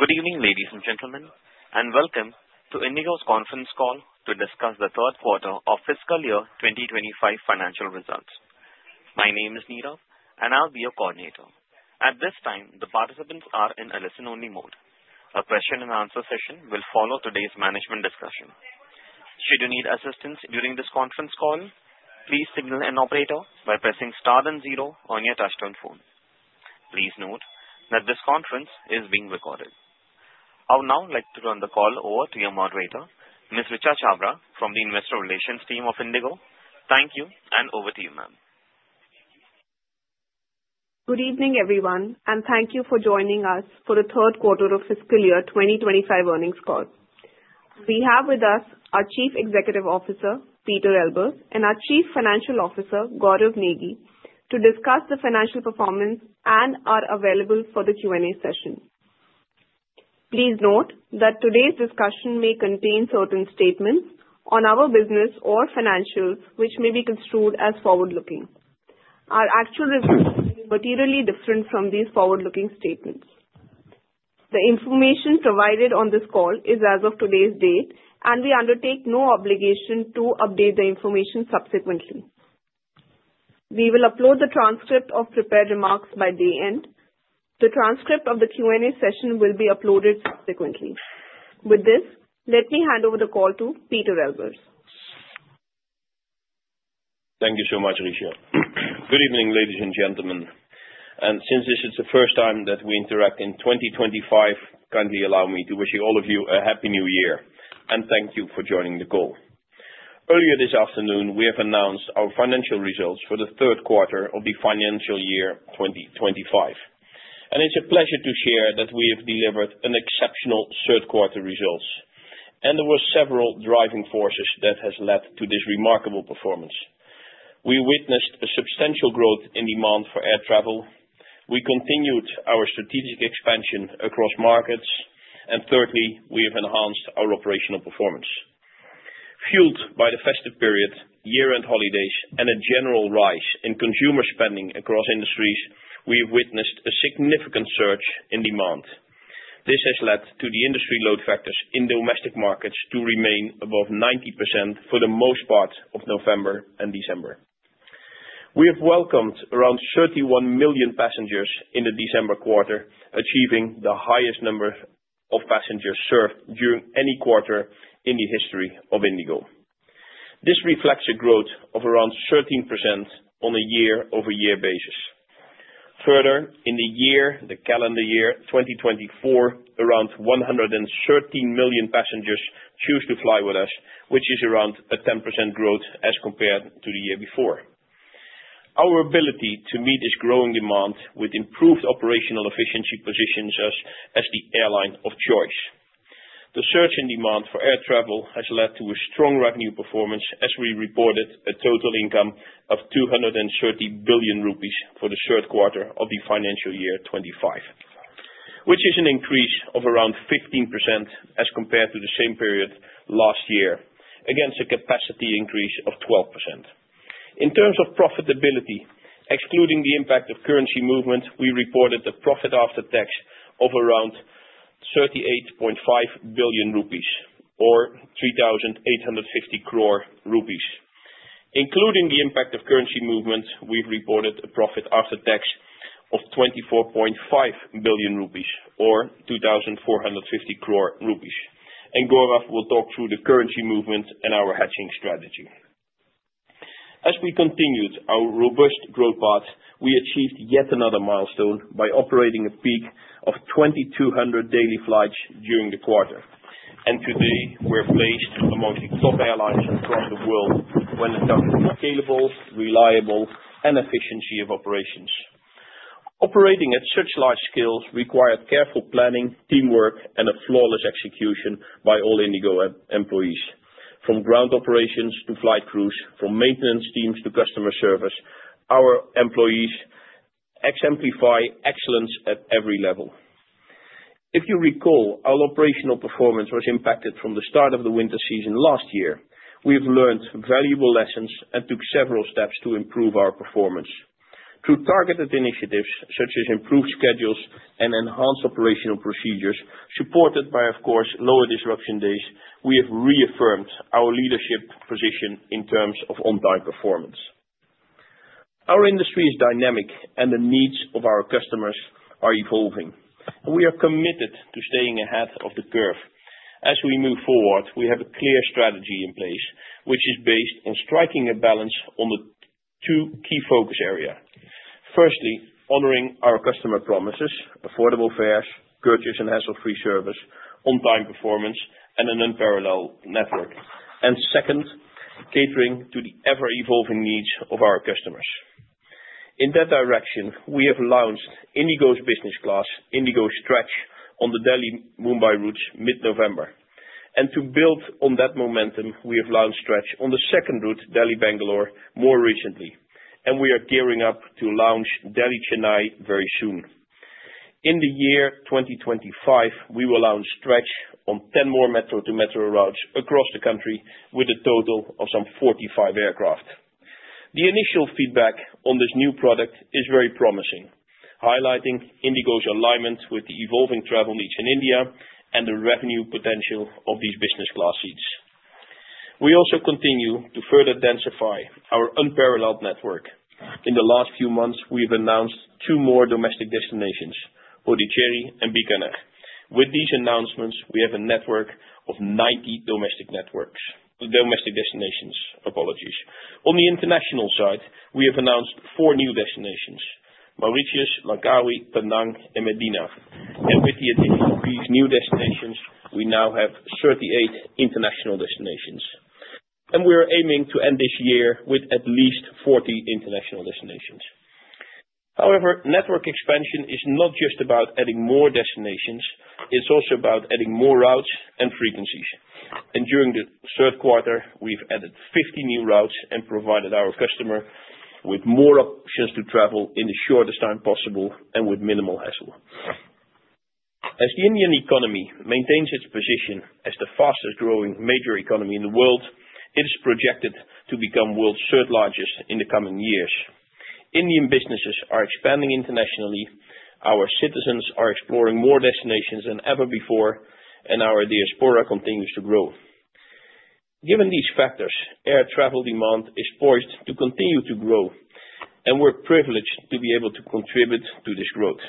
Good evening, ladies and gentlemen, and welcome to IndiGo's conference call to discuss the third quarter of fiscal year 2025 financial results. My name is Neera, and I'll be your coordinator. At this time, the participants are in a listen-only mode. A question-and-answer session will follow today's management discussion. Should you need assistance during this conference call, please signal an operator by pressing star and zero on your touch-tone phone. Please note that this conference is being recorded. I would now like to turn the call over to your moderator, Ms. Richa Chhabra, from the Investor Relations Team of IndiGo. Thank you, and over to you, ma'am. Good evening, everyone, and thank you for joining us for the third quarter of fiscal year 2025 earnings call. We have with us our Chief Executive Officer, Pieter Elbers, and our Chief Financial Officer, Gaurav Negi, to discuss the financial performance and are available for the Q&A session. Please note that today's discussion may contain certain statements on our business or financials, which may be construed as forward-looking. Our actual results will be materially different from these forward-looking statements. The information provided on this call is as of today's date, and we undertake no obligation to update the information subsequently. We will upload the transcript of prepared remarks by day end. The transcript of the Q&A session will be uploaded subsequently. With this, let me hand over the call to Pieter Elbers. Thank you so much, Richa. Good evening, ladies and gentlemen. And since this is the first time that we interact in 2025, kindly allow me to wish all of you a Happy New Year, and thank you for joining the call. Earlier this afternoon, we have announced our financial results for the third quarter of the financial year 2025. And it's a pleasure to share that we have delivered exceptional third-quarter results. And there were several driving forces that have led to this remarkable performance. We witnessed a substantial growth in demand for air travel. We continued our strategic expansion across markets. And thirdly, we have enhanced our operational performance. Fueled by the festive period, year-end holidays, and a general rise in consumer spending across industries, we have witnessed a significant surge in demand. This has led to the industry load factors in domestic markets to remain above 90% for the most part of November and December. We have welcomed around 31 million passengers in the December quarter, achieving the highest number of passengers served during any quarter in the history of IndiGo. This reflects a growth of around 13% on a year-over-year basis. Further, in the year, the calendar year 2024, around 113 million passengers chose to fly with us, which is around a 10% growth as compared to the year before. Our ability to meet this growing demand with improved operational efficiency positions us as the airline of choice. The surge in demand for air travel has led to a strong revenue performance as we reported a total income of 230 billion rupees for the third quarter of the financial year 2025, which is an increase of around 15% as compared to the same period last year against a capacity increase of 12%. In terms of profitability, excluding the impact of currency movement, we reported a profit after tax of around 38.5 billion rupees, or 3,850 crore rupees. Including the impact of currency movement, we've reported a profit after tax of 24.5 billion rupees, or 2,450 crore rupees, and Gaurav will talk through the currency movement and our hedging strategy. As we continued our robust growth path, we achieved yet another milestone by operating a peak of 2,200 daily flights during the quarter, and today, we're placed among the top airlines across the world when it comes to scalable, reliable, and efficiency of operations. Operating at such large scales required careful planning, teamwork, and a flawless execution by all IndiGo employees. From ground operations to flight crews, from maintenance teams to customer service, our employees exemplify excellence at every level. If you recall, our operational performance was impacted from the start of the winter season last year. We have learned valuable lessons and took several steps to improve our performance. Through targeted initiatives such as improved schedules and enhanced operational procedures supported by, of course, lower disruption days, we have reaffirmed our leadership position in terms of on-time performance. Our industry is dynamic, and the needs of our customers are evolving. We are committed to staying ahead of the curve. As we move forward, we have a clear strategy in place, which is based on striking a balance on the two key focus areas. Firstly, honoring our customer promises, affordable fares, courteous and hassle-free service, on-time performance, and an unparalleled network. And second, catering to the ever-evolving needs of our customers. In that direction, we have launched IndiGo's business class, IndiGo Stretch, on the Delhi-Mumbai routes mid-November. And to build on that momentum, we have launched Stretch on the second route, Delhi-Bangalore, more recently. And we are gearing up to launch Delhi-Chennai very soon. In the year 2025, we will launch Stretch on 10 more Metro-to-Metro routes across the country with a total of some 45 aircraft. The initial feedback on this new product is very promising, highlighting IndiGo's alignment with the evolving travel needs in India and the revenue potential of these business class seats. We also continue to further densify our unparalleled network. In the last few months, we have announced two more domestic destinations, Puducherry and Bikaner. With these announcements, we have a network of 90 domestic destinations. On the international side, we have announced four new destinations: Mauritius, Langkawi, Penang, and Medina. With these new destinations, we now have 38 international destinations. We are aiming to end this year with at least 40 international destinations. However, network expansion is not just about adding more destinations. It's also about adding more routes and frequencies. During the third quarter, we've added 50 new routes and provided our customers with more options to travel in the shortest time possible and with minimal hassle. As the Indian economy maintains its position as the fastest-growing major economy in the world, it is projected to become the world's third largest in the coming years. Indian businesses are expanding internationally. Our citizens are exploring more destinations than ever before, and our diaspora continues to grow. Given these factors, air travel demand is poised to continue to grow, and we're privileged to be able to contribute to this growth.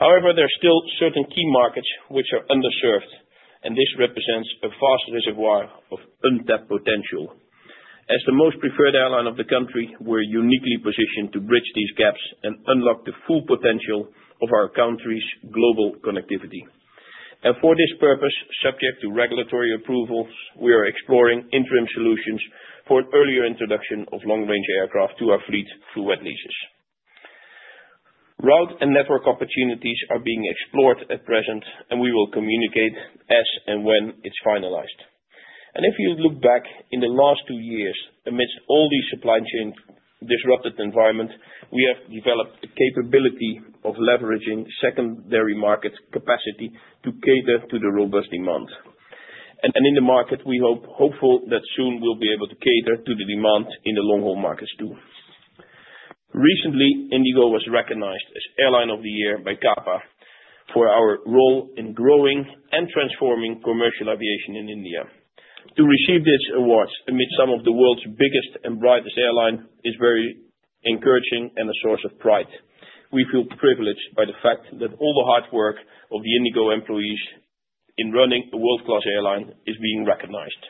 However, there are still certain key markets which are underserved, and this represents a vast reservoir of untapped potential. As the most preferred airline of the country, we're uniquely positioned to bridge these gaps and unlock the full potential of our country's global connectivity, and for this purpose, subject to regulatory approvals, we are exploring interim solutions for earlier introduction of long-range aircraft to our fleet through wet leases. Route and network opportunities are being explored at present, and we will communicate as and when it's finalized, and if you look back in the last two years, amidst all these supply chain disrupted environments, we have developed the capability of leveraging secondary market capacity to cater to the robust demand. In the market, we are hopeful that soon we'll be able to cater to the demand in the long-haul markets too. Recently, IndiGo was recognized as Airline of the Year by CAPA for our role in growing and transforming commercial aviation in India. To receive these awards amid some of the world's biggest and brightest airlines is very encouraging and a source of pride. We feel privileged by the fact that all the hard work of the IndiGo employees in running a world-class airline is being recognized.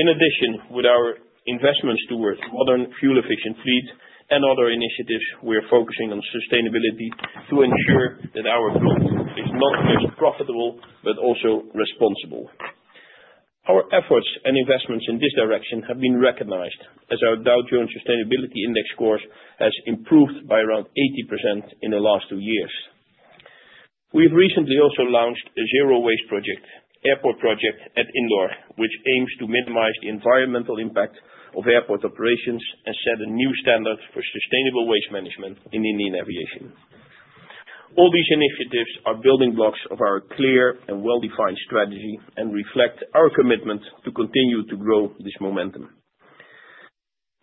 In addition, with our investments towards a modern, fuel-efficient fleet and other initiatives, we are focusing on sustainability to ensure that our growth is not just profitable but also responsible. Our efforts and investments in this direction have been recognized, as our Dow Jones Sustainability Index score has improved by around 80% in the last two years. We have recently also launched a zero-waste project, Airport Project at Indore, which aims to minimize the environmental impact of airport operations and set a new standard for sustainable waste management in Indian aviation. All these initiatives are building blocks of our clear and well-defined strategy and reflect our commitment to continue to grow this momentum.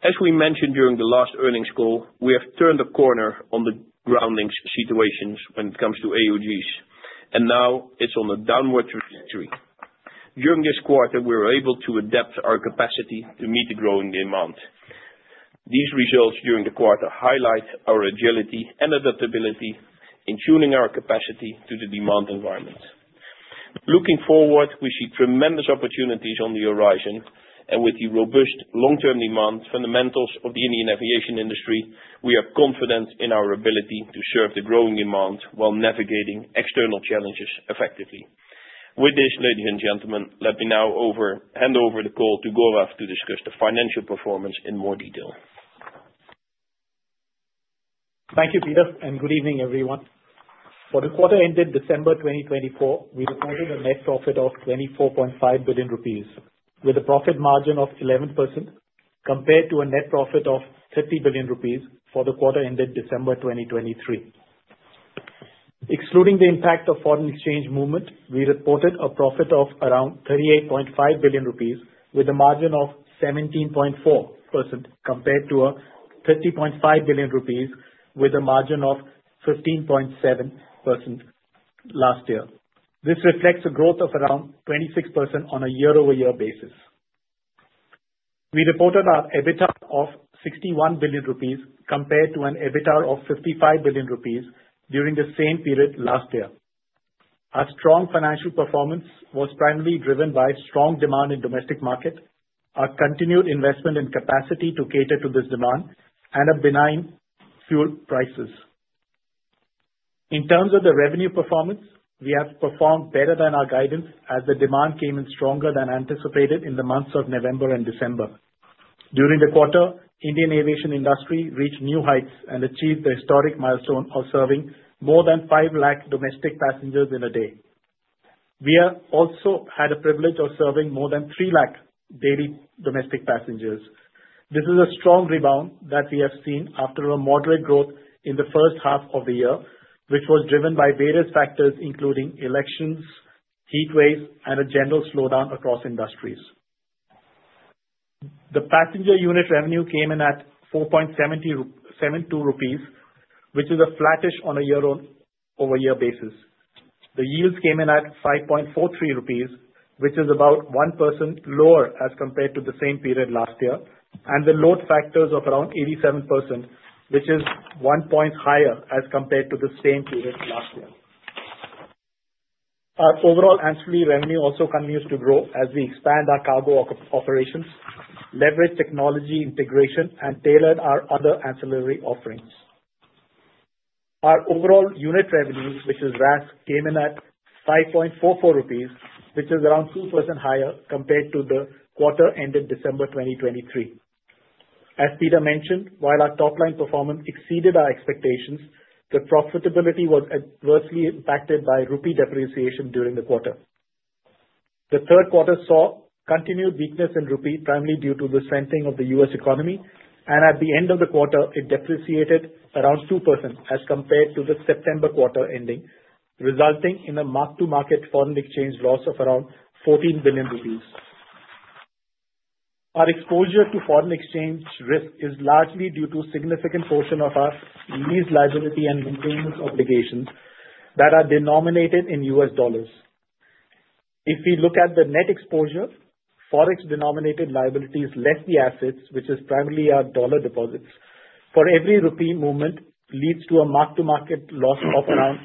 As we mentioned during the last earnings call, we have turned a corner on the grounding situations when it comes to AOGs, and now it's on a downward trajectory. During this quarter, we were able to adapt our capacity to meet the growing demand. These results during the quarter highlight our agility and adaptability in tuning our capacity to the demand environment. Looking forward, we see tremendous opportunities on the horizon, and with the robust long-term demand fundamentals of the Indian aviation industry, we are confident in our ability to serve the growing demand while navigating external challenges effectively. With this, ladies and gentlemen, let me now hand over the call to Gaurav to discuss the financial performance in more detail. Thank you, Pieter, and good evening, everyone. For the quarter-ended December 2024, we reported a net profit of 24.5 billion rupees, with a profit margin of 11% compared to a net profit of 30 billion rupees for the quarter-ended December 2023. Excluding the impact of foreign exchange movement, we reported a profit of around 38.5 billion rupees, with a margin of 17.4% compared to a 30.5 billion rupees, with a margin of 15.7% last year. This reflects a growth of around 26% on a year-over-year basis. We reported our EBITDA of 61 billion rupees compared to an EBITDA of 55 billion rupees during the same period last year. Our strong financial performance was primarily driven by strong demand in the domestic market, our continued investment in capacity to cater to this demand, and benign fuel prices. In terms of the revenue performance, we have performed better than our guidance, as the demand came in stronger than anticipated in the months of November and December. During the quarter, the Indian aviation industry reached new heights and achieved the historic milestone of serving more than 5 lakh domestic passengers in a day. We also had the privilege of serving more than 3 lakh daily domestic passengers. This is a strong rebound that we have seen after a moderate growth in the first half of the year, which was driven by various factors including elections, heat waves, and a general slowdown across industries. The passenger unit revenue came in at 4.72 rupees, which is a flattish on a year-over-year basis. The yields came in at 5.43 rupees, which is about 1% lower as compared to the same period last year, and the load factors of around 87%, which is one point higher as compared to the same period last year. Our overall ancillary revenue also continues to grow as we expand our cargo operations, leverage technology integration, and tailor our other ancillary offerings. Our overall unit revenue, which is RASK, came in at 5.44 rupees, which is around 2% higher compared to the quarter-ended December 2023. As Pieter mentioned, while our top-line performance exceeded our expectations, the profitability was adversely impacted by rupee depreciation during the quarter. The third quarter saw continued weakness in rupee, primarily due to the strengthening of the U.S. economy, and at the end of the quarter, it depreciated around 2% as compared to the September quarter ending, resulting in a mark-to-market foreign exchange loss of around 14 billion rupees. Our exposure to foreign exchange risk is largely due to a significant portion of our lease liability and maintenance obligations that are denominated in U.S. dollars. If we look at the net exposure, forex-denominated liabilities less the assets, which is primarily our dollar deposits. For every rupee movement, it leads to a mark-to-market loss of around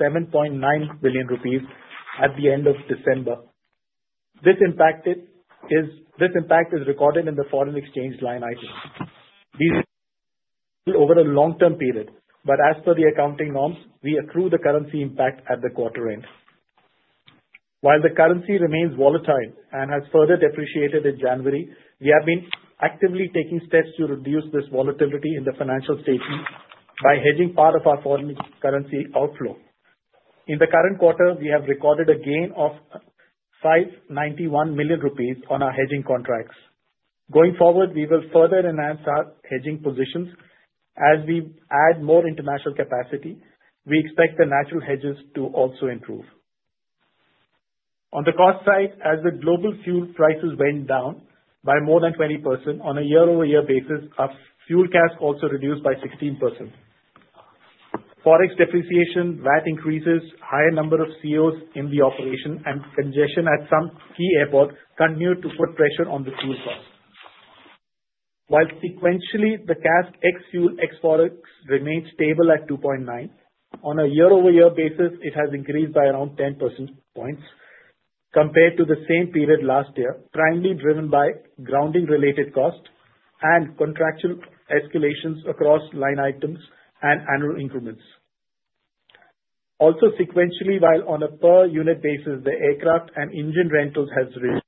7.9 billion rupees at the end of December. This impact is recorded in the foreign exchange line items. These are over a long-term period, but as per the accounting norms, we accrue the currency impact at the quarter-end. While the currency remains volatile and has further depreciated in January, we have been actively taking steps to reduce this volatility in the financial statements by hedging part of our foreign currency outflow. In the current quarter, we have recorded a gain of 591 million rupees on our hedging contracts. Going forward, we will further enhance our hedging positions. As we add more international capacity, we expect the natural hedges to also improve. On the cost side, as the global fuel prices went down by more than 20% on a year-over-year basis, our fuel CASKs also reduced by 16%. Forex depreciation, VAT increases, higher number of AOGs in the operation, and congestion at some key airports continued to put pressure on the fuel costs. While sequentially, the CASK ex fuel ex forex remained stable at 2.9, on a year-over-year basis, it has increased by around 10 percentage points compared to the same period last year, primarily driven by grounding-related costs and contractual escalations across line items and annual increments. Also, sequentially, while on a per-unit basis, the aircraft and engine rentals have reached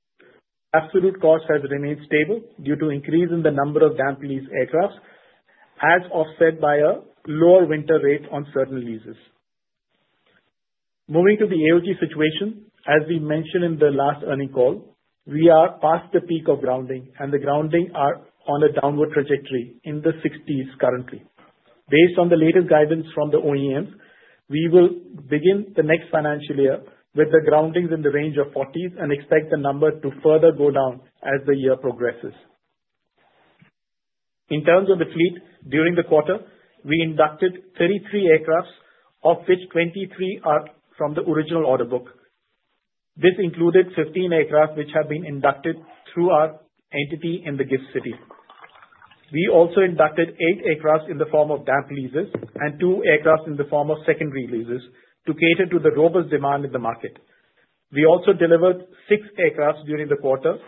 absolute costs, it has remained stable due to an increase in the number of damp lease aircraft, as offset by a lower winter rate on certain leases. Moving to the AOG situation, as we mentioned in the last earnings call, we are past the peak of grounding, and the grounding is on a downward trajectory in the 60s currently. Based on the latest guidance from the OEMs, we will begin the next financial year with the groundings in the range of 40s and expect the number to further go down as the year progresses. In terms of the fleet, during the quarter, we inducted 33 aircraft, of which 23 are from the original order book. This included 15 aircraft which have been inducted through our entity in the GIFT City. We also inducted eight aircraft in the form of damp leases and two aircraft in the form of secondary leases to cater to the robust demand in the market. We also delivered six aircraft during the quarter,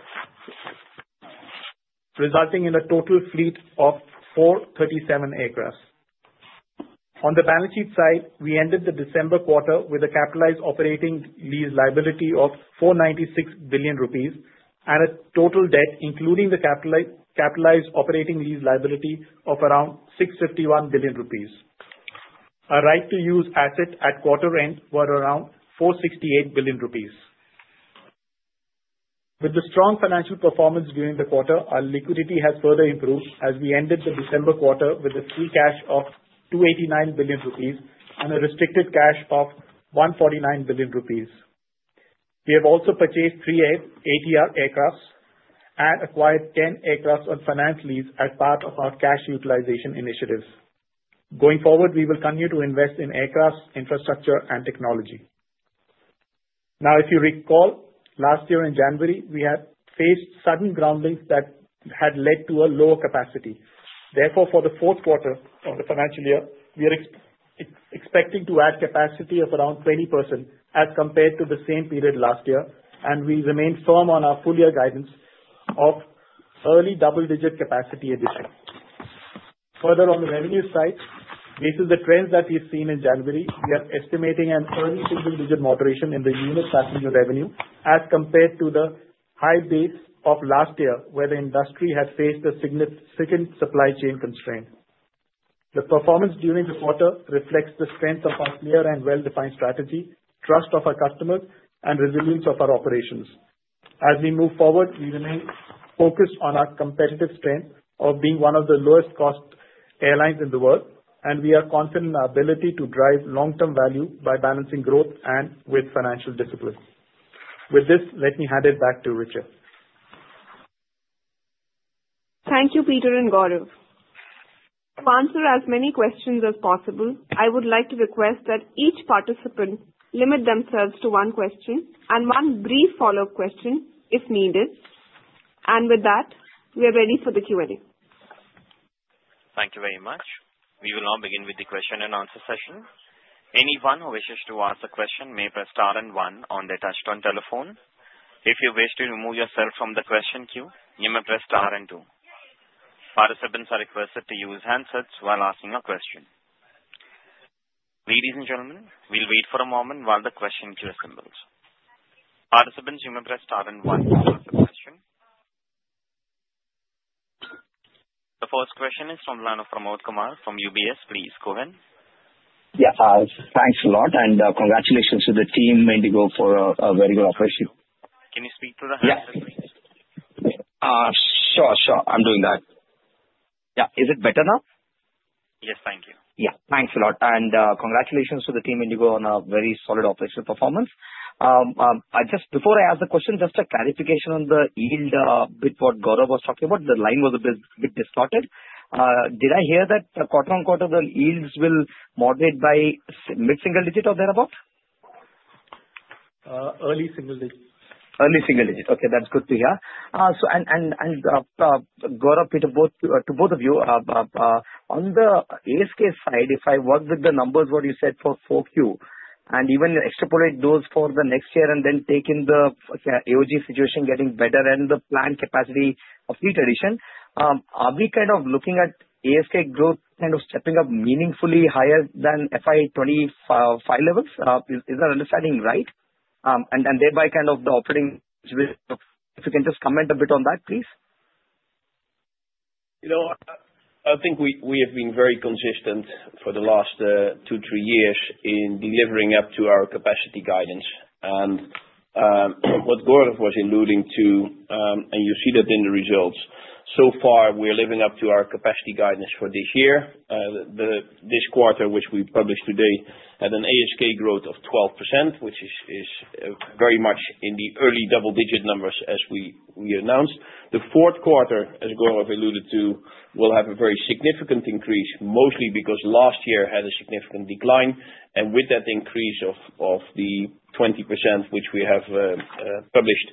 resulting in a total fleet of 437 aircraft. On the balance sheet side, we ended the December quarter with a capitalized operating lease liability of 496 billion rupees and a total debt, including the capitalized operating lease liability, of around 651 billion rupees. Our right-to-use assets at quarter-end were around 468 billion rupees. With the strong financial performance during the quarter, our liquidity has further improved as we ended the December quarter with a free cash of 289 billion rupees and a restricted cash of 149 billion rupees. We have also purchased three ATR aircraft and acquired 10 aircraft on finance lease as part of our cash utilization initiatives. Going forward, we will continue to invest in aircraft, infrastructure, and technology. Now, if you recall, last year in January, we had faced sudden groundings that had led to a lower capacity. Therefore, for the fourth quarter of the financial year, we are expecting to add capacity of around 20% as compared to the same period last year, and we remain firm on our full-year guidance of early double-digit capacity addition. Further, on the revenue side, based on the trends that we've seen in January, we are estimating an early single-digit moderation in the unit passenger revenue as compared to the high base of last year, where the industry had faced a significant supply chain constraint. The performance during the quarter reflects the strength of our clear and well-defined strategy, trust of our customers, and resilience of our operations. As we move forward, we remain focused on our competitive strength of being one of the lowest-cost airlines in the world, and we are confident in our ability to drive long-term value by balancing growth and with financial discipline. With this, let me hand it back to Richa. Thank you, Pieter and Gaurav. To answer as many questions as possible, I would like to request that each participant limit themselves to one question and one brief follow-up question if needed. And with that, we are ready for the Q&A. Thank you very much. We will now begin with the question-and-answer session. Anyone who wishes to ask a question may press star and One on their touch-tone telephone. If you wish to remove yourself from the question queue, you may press star and two. Participants are requested to use handsets while asking a question. Ladies and gentlemen, we'll wait for a moment while the question queue assembles. Participants, you may press star and one to ask a question. The first question is from the line of Pramod Kumar from UBS. Please go ahead. Yeah, thanks a lot, and congratulations to the team IndiGo for a very good operation. Can you speak to the handsets? Yeah. Sure, sure. I'm doing that. Yeah. Is it better now? Yes, thank you. Yeah. Thanks a lot, and congratulations to the team IndiGo on a very solid operational performance. Before I ask the question, just a clarification on the yield bit what Gaurav was talking about. The line was a bit distorted. Did I hear that quarter-on-quarter, the yields will moderate by mid-single digit or thereabout? Early single digit. Early single digit. Okay, that's good to hear. Gaurav, Pieter, both of you, on the ASK side, if I work with the numbers what you said for Q4 and even extrapolate those for the next year and then take in the AOG situation getting better and the planned capacity of fleet addition, are we kind of looking at ASK growth kind of stepping up meaningfully higher than FY 2025 levels? Is that understanding right? And thereby kind of the operating—if you can just comment a bit on that, please. I think we have been very consistent for the last two, three years in delivering up to our capacity guidance, and what Gaurav was alluding to, and you see that in the results, so far we're living up to our capacity guidance for this year. This quarter, which we published today, had an ASK growth of 12%, which is very much in the early double-digit numbers as we announced. The fourth quarter, as Gaurav alluded to, will have a very significant increase, mostly because last year had a significant decline, and with that increase of the 20%, which we have published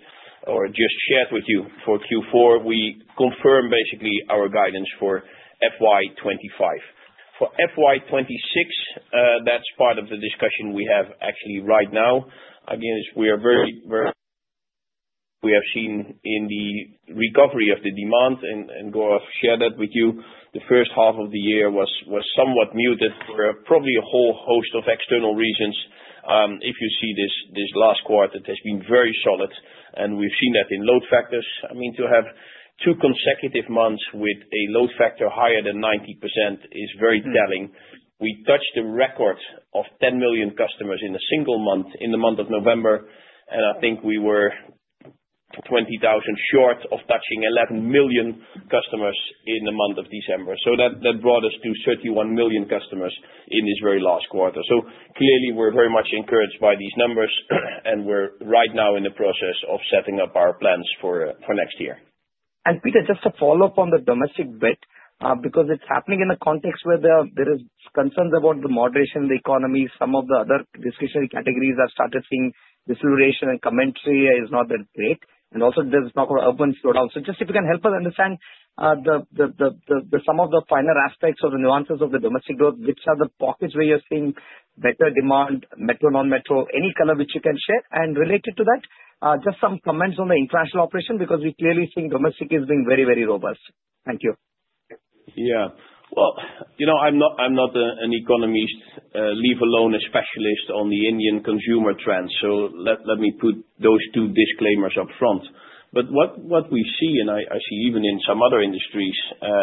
or just shared with you for Q4, we confirm basically our guidance for FY 2025. For FY 2026, that's part of the discussion we have actually right now. Again, we have seen in the recovery of the demand, and Gaurav shared that with you, the first half of the year was somewhat muted for probably a whole host of external reasons. If you see this last quarter, it has been very solid, and we've seen that in load factors. I mean, to have two consecutive months with a load factor higher than 90% is very telling. We touched the record of 10 million customers in a single month in the month of November, and I think we were 20,000 short of touching 11 million customers in the month of December. So that brought us to 31 million customers in this very last quarter. So clearly, we're very much encouraged by these numbers, and we're right now in the process of setting up our plans for next year. Pieter, just to follow up on the domestic bit, because it's happening in a context where there are concerns about the moderation in the economy, some of the other discretionary categories have started seeing disinflation, and commentary is not that great. Also, there's talk of urban slowdown. Just if you can help us understand some of the finer aspects or the nuances of the domestic growth, which are the pockets where you're seeing better demand, metro, non-metro, any color which you can share. Related to that, just some comments on the international operation, because we're clearly seeing domestic is being very, very robust. Thank you. Yeah. Well, I'm not an economist, leave alone a specialist on the Indian consumer trends, so let me put those two disclaimers upfront. But what we see, and I see even in some other industries,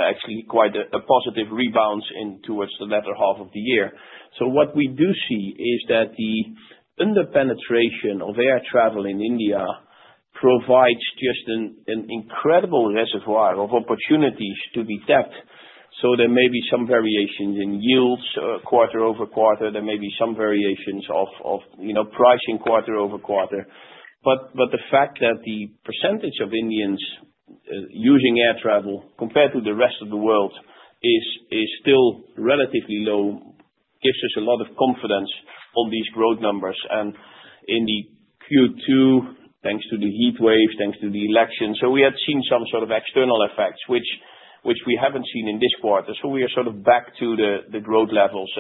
actually quite a positive rebound towards the latter half of the year. So what we do see is that the under-penetration of air travel in India provides just an incredible reservoir of opportunities to be tapped. So there may be some variations in yields quarter over quarter. There may be some variations of pricing quarter over quarter. But the fact that the percentage of Indians using air travel compared to the rest of the world is still relatively low gives us a lot of confidence on these growth numbers. In the Q2, thanks to the heat wave, thanks to the election, so we had seen some sort of external effects, which we haven't seen in this quarter. We are sort of back to the growth levels.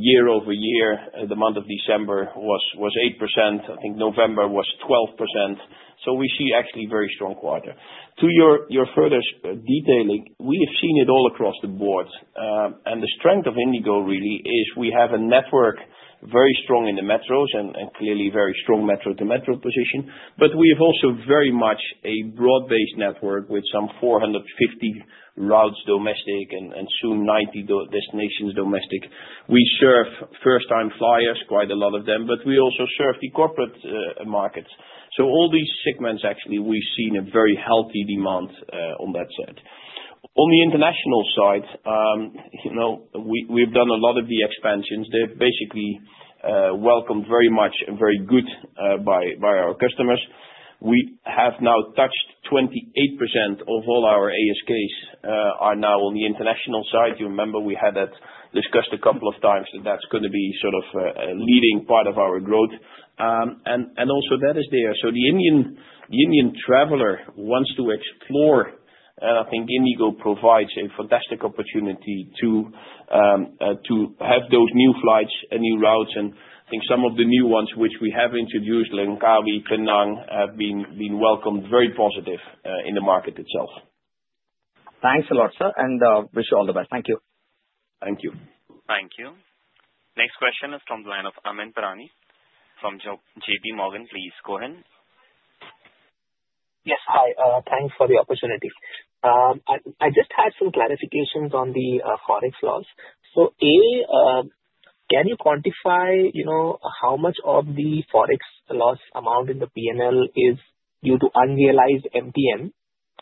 Year over year, the month of December was 8%. I think November was 12%. We see actually a very strong quarter. To your further detailing, we have seen it all across the board. The strength of IndiGo really is we have a network very strong in the metros and clearly very strong metro-to-metro position. We have also very much a broad-based network with some 450 routes domestic and soon 90 destinations domestic. We serve first-time flyers, quite a lot of them, but we also serve the corporate markets. All these segments, actually, we've seen a very healthy demand on that side. On the international side, we've done a lot of the expansions. They've basically welcomed very much and very good by our customers. We have now touched 28% of all our ASKs are now on the international side. You remember we had discussed a couple of times that that's going to be sort of a leading part of our growth. And also, that is there. The Indian traveler wants to explore, and I think IndiGo provides a fantastic opportunity to have those new flights and new routes. And I think some of the new ones which we have introduced, Langkawi, Penang, have been welcomed very positively in the market itself. Thanks a lot, sir, and wish you all the best. Thank you. Thank you. Thank you. Next question is from the line of Amyn Pirani from J.P. Morgan. Please go ahead. Yes. Hi. Thanks for the opportunity. I just had some clarifications on the forex loss. So A, can you quantify how much of the forex loss amount in the P&L is due to unrealized MTM?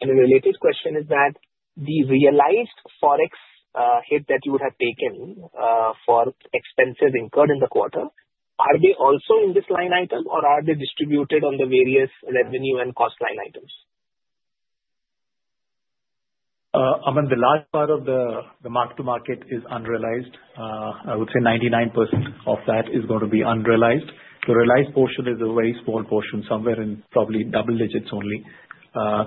And a related question is that the realized forex hit that you would have taken for expenses incurred in the quarter, are they also in this line item, or are they distributed on the various revenue and cost line items? Ameyn, the large part of the mark-to-market is unrealized. I would say 99% of that is going to be unrealized. The realized portion is a very small portion, somewhere in probably double digits only,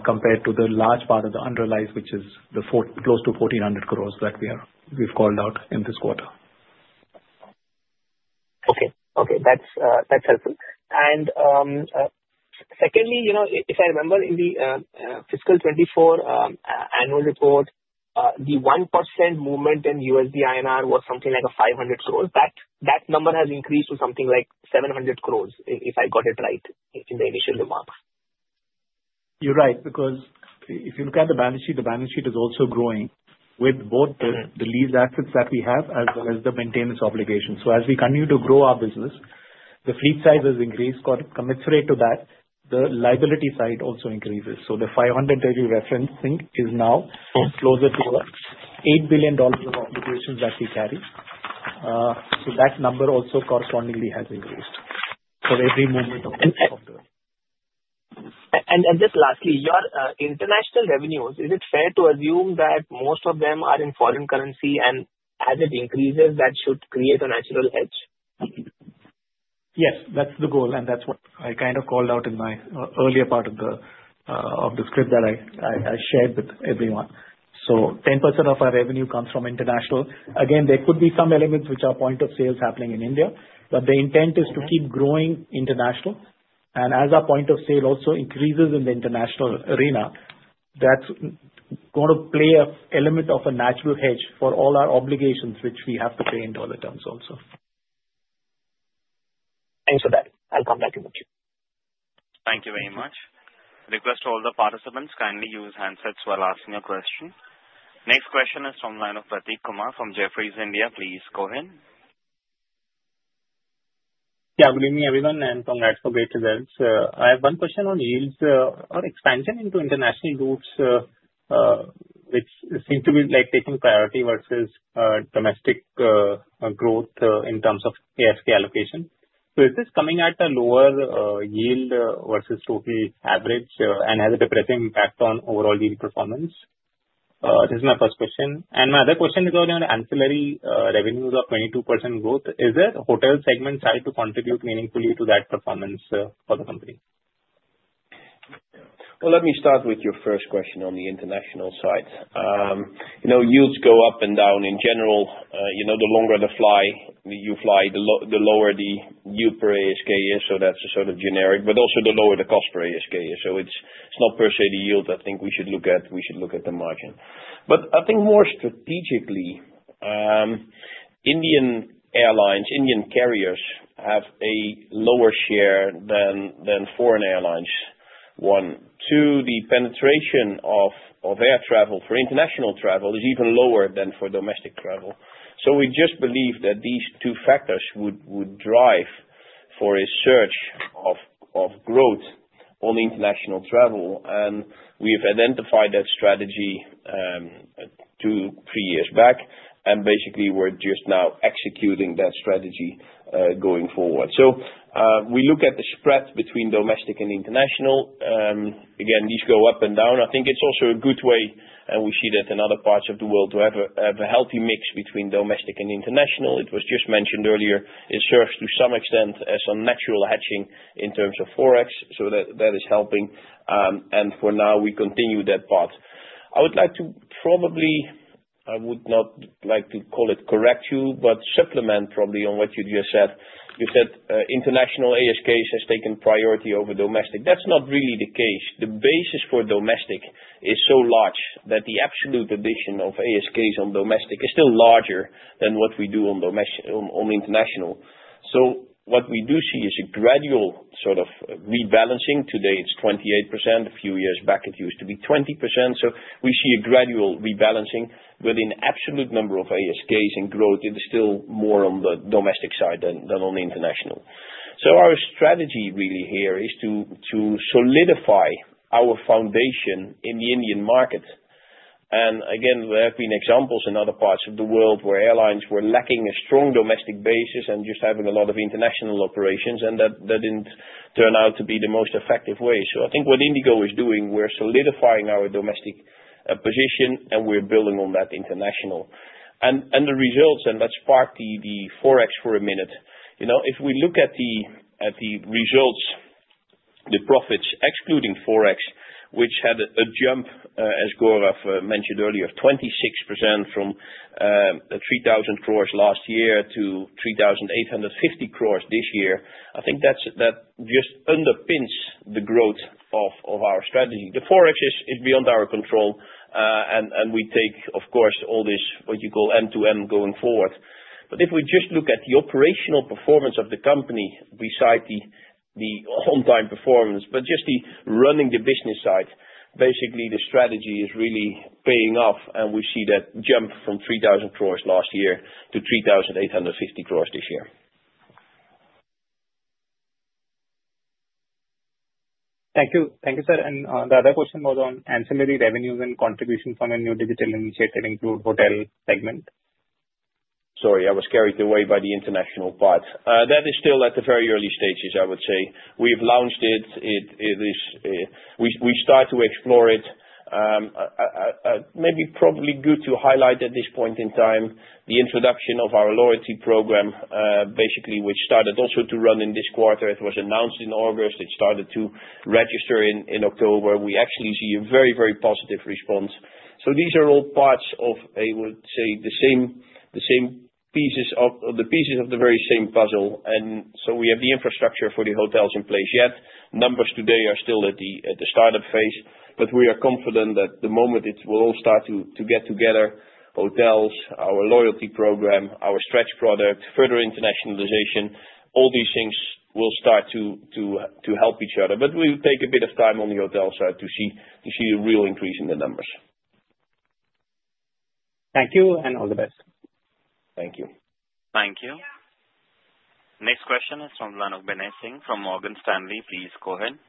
compared to the large part of the unrealized, which is close to 1,400 crores that we've called out in this quarter. Okay. Okay. That's helpful. And secondly, if I remember, in the fiscal 2024 annual report, the 1% movement in USD INR was something like 500 crores. That number has increased to something like 700 crores, if I got it right in the initial remarks. You're right, because if you look at the balance sheet, the balance sheet is also growing with both the leased assets that we have as well as the maintenance obligations. So as we continue to grow our business, the fleet size has increased. Commensurate to that, the liability side also increases. So the 500 that you're referencing is now closer to $8 billion of obligations that we carry. So that number also correspondingly has increased for every movement of the. Just lastly, your international revenues, is it fair to assume that most of them are in foreign currency? As it increases, that should create a natural hedge? Yes, that's the goal, and that's what I kind of called out in my earlier part of the script that I shared with everyone, so 10% of our revenue comes from international. Again, there could be some elements which are point of sales happening in India, but the intent is to keep growing international, and as our point of sale also increases in the international arena, that's going to play an element of a natural hedge for all our obligations, which we have to pay in dollar terms also. Thanks for that. I'll come back in a bit. Thank you very much. Request to all the participants, kindly use handsets while asking your question. Next question is from the line of Prateek Kumar from Jefferies India. Please go ahead. Yeah, good evening, everyone, and congrats for being present. I have one question on yields or expansion into international routes, which seem to be taking priority versus domestic growth in terms of ASK allocation. So is this coming at a lower yield versus total average and has a depressing impact on overall yield performance? This is my first question. And my other question is on ancillary revenues of 22% growth. Is it hotel segment trying to contribute meaningfully to that performance for the company? Let me start with your first question on the international side. Yields go up and down in general. The longer the flight you fly, the lower the yield per ASK is. That's sort of generic. Also, the lower the cost per ASK is. It's not per se the yield I think we should look at. We should look at the margin. I think more strategically, Indian airlines, Indian carriers have a lower share than foreign airlines one. Two, the penetration of air travel for international travel is even lower than for domestic travel. We just believe that these two factors would drive a surge of growth on international travel. We have identified that strategy two, three years back. Basically, we're just now executing that strategy going forward. We look at the spread between domestic and international. Again, these go up and down. I think it's also a good way, and we see that in other parts of the world, to have a healthy mix between domestic and international. It was just mentioned earlier. It serves to some extent as a natural hedging in terms of forex. So that is helping. And for now, we continue that path. I would like to probably, I would not like to call it correct you, but supplement probably on what you just said. You said international ASKs has taken priority over domestic. That's not really the case. The basis for domestic is so large that the absolute addition of ASKs on domestic is still larger than what we do on international. So what we do see is a gradual sort of rebalancing. Today, it's 28%. A few years back, it used to be 20%. So we see a gradual rebalancing. With an absolute number of ASKs in growth, it is still more on the domestic side than on the international. So our strategy really here is to solidify our foundation in the Indian market. And again, there have been examples in other parts of the world where airlines were lacking a strong domestic basis and just having a lot of international operations, and that didn't turn out to be the most effective way. So I think what IndiGo is doing, we're solidifying our domestic position, and we're building on that international. And the results, and let's park the forex for a minute. If we look at the results, the profits, excluding forex, which had a jump, as Gaurav mentioned earlier, 26% from 3,000 crores last year to 3,850 crores this year, I think that just underpins the growth of our strategy. The forex is beyond our control, and we take, of course, all this what you call end-to-end going forward. But if we just look at the operational performance of the company besides the on-time performance, but just the running the business side, basically, the strategy is really paying off, and we see that jump from 3,000 crores last year to 3,850 crores this year. Thank you. Thank you, sir. And the other question was on ancillary revenues and contribution from a new digital initiative to include hotel segment. Sorry, I was carried away by the international part. That is still at the very early stages, I would say. We've launched it. We start to explore it. Maybe probably good to highlight at this point in time the introduction of our loyalty program, basically, which started also to run in this quarter. It was announced in August. It started to register in October. We actually see a very, very positive response. So these are all parts of, I would say, the same pieces of the pieces of the very same puzzle. And so we have the infrastructure for the hotels in place yet. Numbers today are still at the startup phase, but we are confident that the moment it will all start to get together, hotels, our loyalty program, our stretch product, further internationalization, all these things will start to help each other. But we will take a bit of time on the hotel side to see a real increase in the numbers. Thank you, and all the best. Thank you. Thank you. Next question is from the line of Binay Singh from Morgan Stanley. Please go ahead.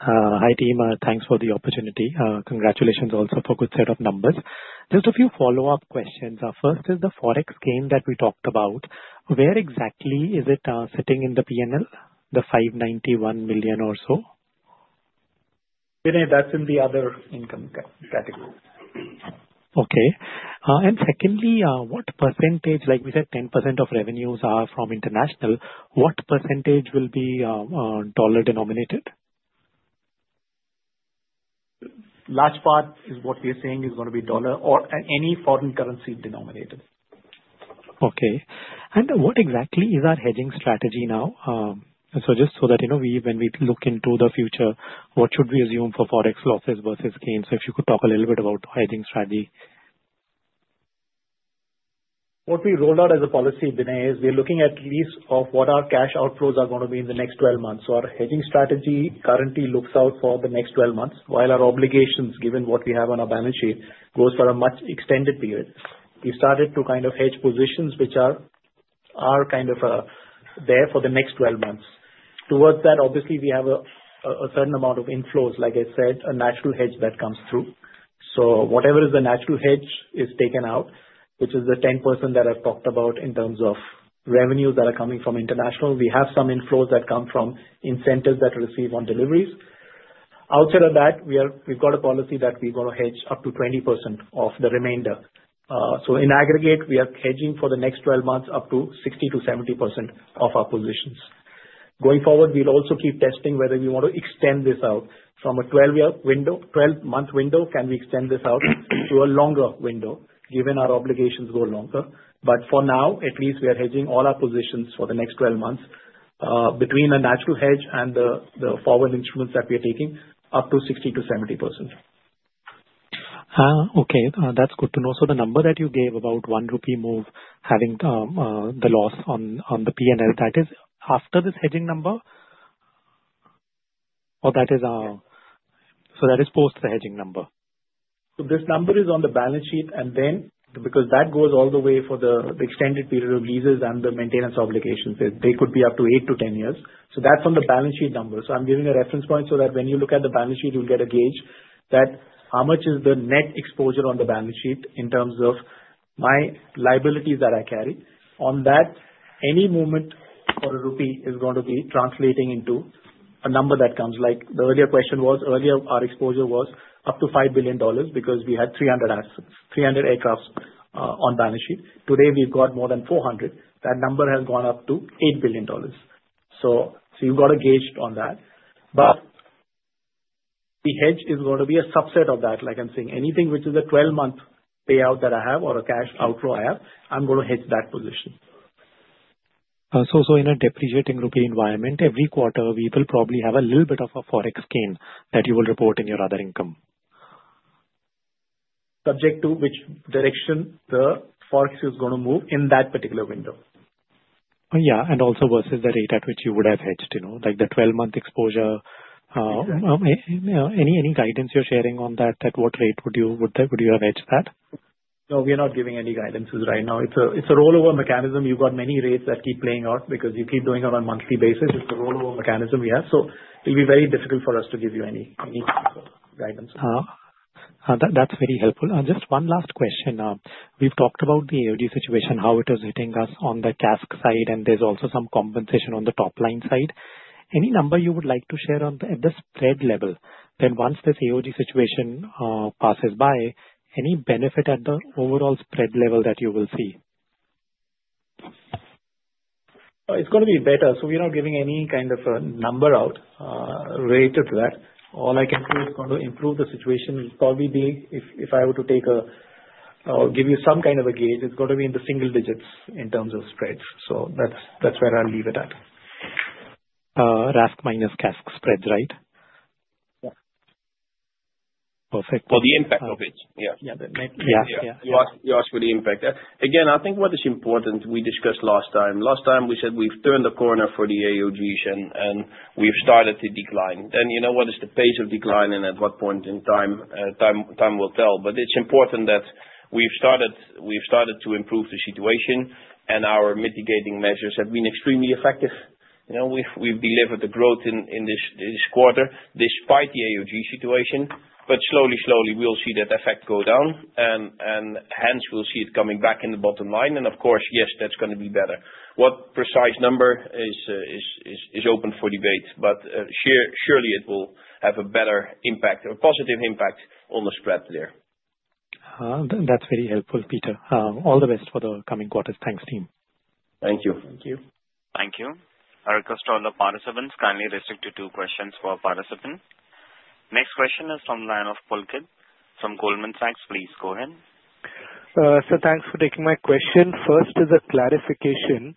Hi team. Thanks for the opportunity. Congratulations also for a good set of numbers. Just a few follow-up questions. First is the forex gain that we talked about. Where exactly is it sitting in the P&L, the 591 million or so? Binay, that's in the other income category. Okay. And secondly, what percentage—like we said, 10% of revenues are from international—what percentage will be dollar-denominated? Large part is what we are saying is going to be dollar or any foreign currency denominated. Okay. And what exactly is our hedging strategy now? So just so that when we look into the future, what should we assume for forex losses versus gains? So if you could talk a little bit about hedging strategy. What we rolled out as a policy, Binay, is we're looking at least what our cash outflows are going to be in the next 12 months, so our hedging strategy currently looks out for the next 12 months, while our obligations, given what we have on our balance sheet, goes for a much extended period. We started to kind of hedge positions which are kind of there for the next 12 months. Towards that, obviously, we have a certain amount of inflows, like I said, a natural hedge that comes through, so whatever is the natural hedge is taken out, which is the 10% that I've talked about in terms of revenues that are coming from international. We have some inflows that come from incentives that are received on deliveries. Outside of that, we've got a policy that we're going to hedge up to 20% of the remainder. In aggregate, we are hedging for the next 12 months up to 60% to 70% of our positions. Going forward, we'll also keep testing whether we want to extend this out from a 12-month window. Can we extend this out to a longer window given our obligations go longer? For now, at least, we are hedging all our positions for the next 12 months between a natural hedge and the forward instruments that we are taking up to 60% to 70%. Okay. That's good to know. So the number that you gave about one rupee move having the loss on the P&L, that is after this hedging number? Or that is post the hedging number? This number is on the balance sheet. And then because that goes all the way for the extended period of leases and the maintenance obligations, they could be up to eight to 10 years. That's on the balance sheet number. I'm giving a reference point so that when you look at the balance sheet, you'll get a gauge that how much is the net exposure on the balance sheet in terms of my liabilities that I carry. On that, any movement for a rupee is going to be translating into a number that comes. Like the earlier question was, earlier our exposure was up to $5 billion because we had 300 aircraft on balance sheet. Today, we've got more than 400. That number has gone up to $8 billion. You've got a gauge on that. But the hedge is going to be a subset of that. Like I'm saying, anything which is a 12-month payout that I have or a cash outflow I have, I'm going to hedge that position. So in a depreciating rupee environment, every quarter, we will probably have a little bit of a forex gain that you will report in your other income. Subject to which direction the forex is going to move in that particular window. Yeah. And also versus the rate at which you would have hedged, like the 12-month exposure. Any guidance you're sharing on that? At what rate would you have hedged that? No, we are not giving any guidances right now. It's a rollover mechanism. You've got many rates that keep playing out because you keep doing it on a monthly basis. It's a rollover mechanism we have. So it'll be very difficult for us to give you any guidance. That's very helpful. Just one last question. We've talked about the AOG situation, how it is hitting us on the CASK side, and there's also some compensation on the top line side. Any number you would like to share at the spread level? Then once this AOG situation passes by, any benefit at the overall spread level that you will see? It's going to be better. So we're not giving any kind of a number out related to that. All I can do is going to improve the situation. It'll probably be, if I were to take a or give you some kind of a gauge, it's going to be in the single digits in terms of spreads. So that's where I'll leave it at. RASK minus CASK spread, right? Yeah. Perfect. Or the impact of it. Yeah. Yeah. Yeah. You asked for the impact. Again, I think what is important, we discussed last time. Last time, we said we've turned the corner for the AOGs, and we've started to decline. Then what is the pace of decline, and at what point in time will tell? But it's important that we've started to improve the situation, and our mitigating measures have been extremely effective. We've delivered the growth in this quarter despite the AOG situation. But slowly, slowly, we'll see that effect go down, and hence, we'll see it coming back in the bottom line. And of course, yes, that's going to be better. What precise number is open for debate, but surely it will have a better impact or positive impact on the spread there. That's very helpful, Pieter. All the best for the coming quarters. Thanks, team. Thank you. Thank you. Thank you. I request all the participants kindly restrict to two questions for participants. Next question is from the line of Pulkit from Goldman Sachs. Please go ahead. So thanks for taking my question. First is a clarification.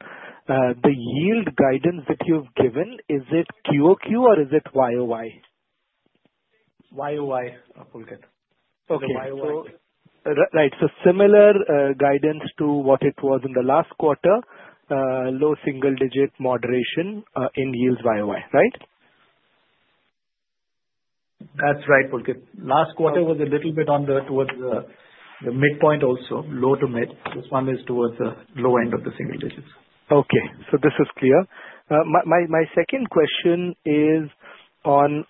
The yield guidance that you've given, is it QOQ or is it YOY? YOY, Pulkit. Okay. Right. So similar guidance to what it was in the last quarter, low single-digit moderation in yields YOY, right? That's right, Pulkit. Last quarter was a little bit on the towards the midpoint also, low to mid. This one is towards the low end of the single digits. Okay. So this is clear. My second question is on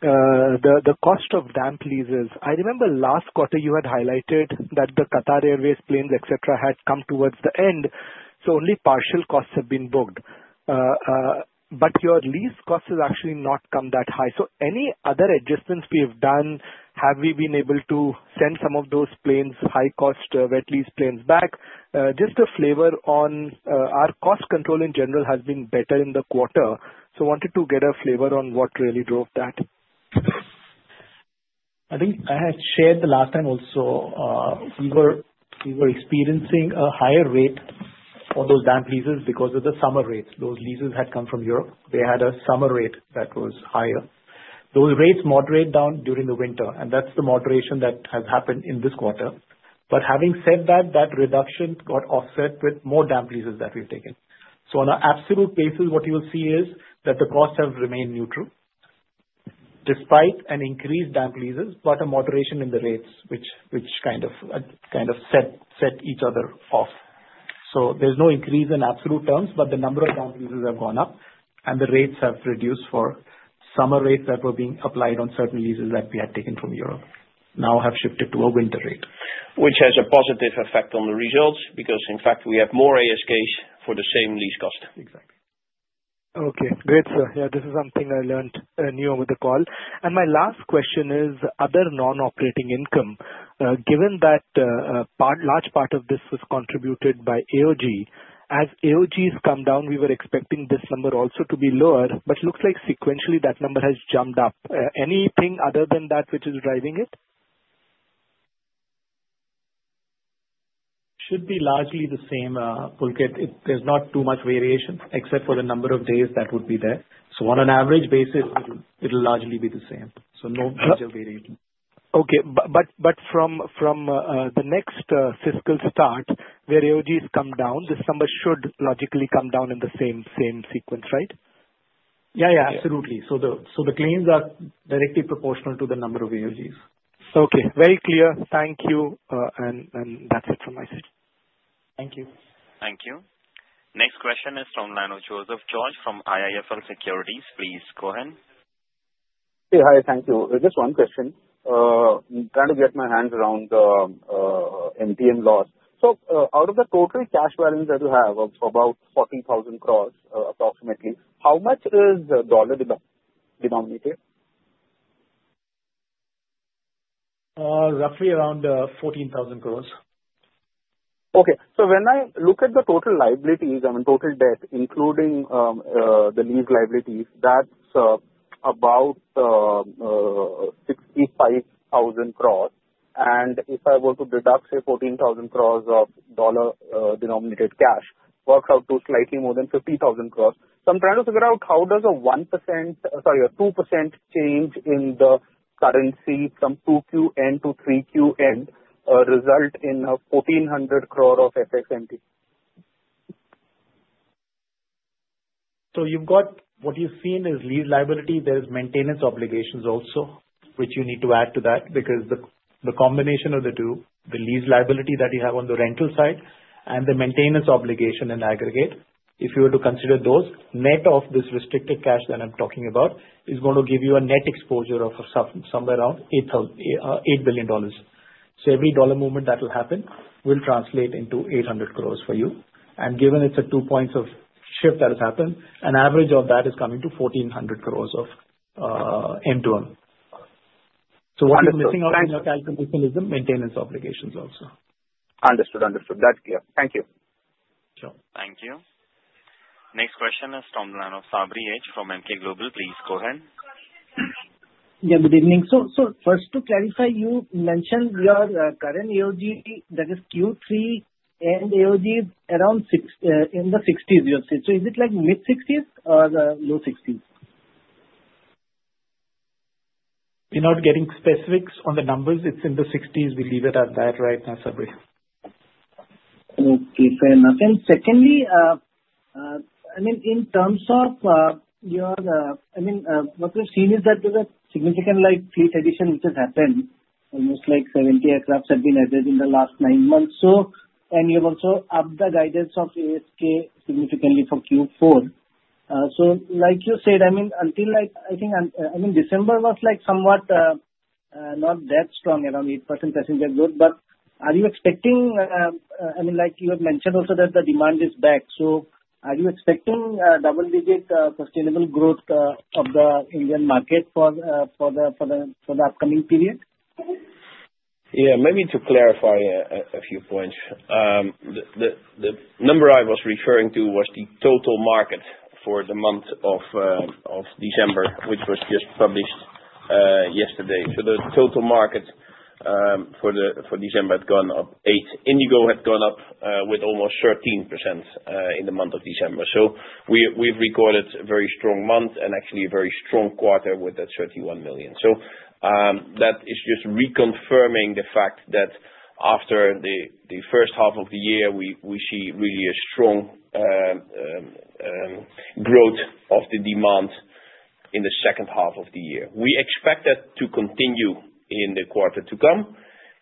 the cost of damp leases. I remember last quarter you had highlighted that the Qatar Airways planes, etc., had come towards the end. So only partial costs have been booked. But your lease cost has actually not come that high. So any other adjustments we have done, have we been able to send some of those high-cost wet lease planes back? Just a flavor on our cost control in general has been better in the quarter. So wanted to get a flavor on what really drove that. I think I had shared the last time also we were experiencing a higher rate for those damp leases because of the summer rates. Those leases had come from Europe. They had a summer rate that was higher. Those rates moderate down during the winter, and that's the moderation that has happened in this quarter. But having said that, that reduction got offset with more damp leases that we've taken. So on an absolute basis, what you will see is that the costs have remained neutral despite an increased damp leases, but a moderation in the rates, which kind of set each other off. So there's no increase in absolute terms, but the number of damp leases have gone up, and the rates have reduced for summer rates that were being applied on certain leases that we had taken from Europe now have shifted to a winter rate. Which has a positive effect on the results because, in fact, we have more ASKs for the same lease cost. Exactly. Okay. Great, sir. Yeah, this is something I learned new over the call. And my last question is other non-operating income. Given that a large part of this was contributed by AOG, as AOGs come down, we were expecting this number also to be lower, but looks like sequentially that number has jumped up. Anything other than that which is driving it? Should be largely the same, Pulkit. There's not too much variation except for the number of days that would be there. So on an average basis, it'll largely be the same. So no major variation. Okay. But from the next fiscal start, where AOGs come down, this number should logically come down in the same sequence, right? Yeah, yeah. Absolutely. So the claims are directly proportional to the number of AOGs. Okay. Very clear. Thank you. And that's it from my side. Thank you. Thank you. Next question is from the line of Joseph George from IIFL Securities. Please go ahead. Hey, hi. Thank you. Just one question. I'm trying to get my hands around MTM loss. So out of the total cash balance that you have of about 40,000 crores approximately, how much is dollar-denominated? Roughly around 14,000 crores. Okay. So when I look at the total liabilities, I mean, total debt, including the lease liabilities, that's about 65,000 crores. And if I were to deduct, say, 14,000 crores of dollar-denominated cash, it works out to slightly more than 50,000 crores. So I'm trying to figure out how does a 1%, sorry, a 2% change in the currency from 2Q to 3Q result in 1,400 crores of FX MTM? So what you've seen is lease liability. There's maintenance obligations also, which you need to add to that because the combination of the two, the lease liability that you have on the rental side and the maintenance obligation in aggregate, if you were to consider those, net of this restricted cash that I'm talking about, is going to give you a net exposure of somewhere around $8 billion. So every dollar movement that will happen will translate into 800 crores for you. And given it's a two-points shift that has happened, an average of that is coming to 1,400 crores of MTM. So what you're missing out in your calculation is the maintenance obligations also. Understood. Understood. That's clear. Thank you. Sure. Thank you. Next question is from the line of Sabri Hazarika from Emkay Global. Please go ahead. Yeah. Good evening. So first to clarify, you mentioned your current AOG, that is Q3, and AOG around in the 60s, you said. So is it like mid-60s or low 60s? We're not getting specifics on the numbers. It's in the 60s. We'll leave it at that right now, Sabri. Okay. Fair enough. And secondly, I mean, in terms of your, I mean, what we've seen is that there's a significant fleet addition which has happened, almost like 70 aircraft have been added in the last nine months. And you've also upped the guidance of ASK significantly for Q4. So like you said, I mean, until I think, I mean, December was somewhat not that strong, around 8% passenger growth. But are you expecting, I mean, you have mentioned also that the demand is back. So are you expecting double-digit sustainable growth of the Indian market for the upcoming period? Yeah. Maybe to clarify a few points. The number I was referring to was the total market for the month of December, which was just published yesterday. So the total market for December had gone up. IndiGo had gone up with almost 13% in the month of December. So we've recorded a very strong month and actually a very strong quarter with that 31 million. So that is just reconfirming the fact that after the first half of the year, we see really a strong growth of the demand in the second half of the year. We expect that to continue in the quarter to come.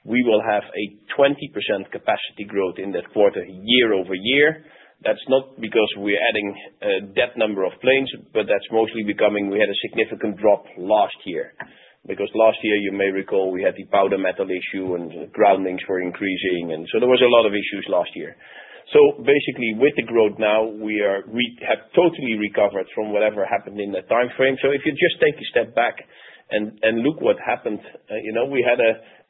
We will have a 20% capacity growth in that quarter year over year. That's not because we're adding that number of planes, but that's mostly because we had a significant drop last year because last year, you may recall, we had the powder metal issue and groundings were increasing, and so there was a lot of issues last year, so basically, with the growth now, we have totally recovered from whatever happened in that time frame, so if you just take a step back and look what happened, we had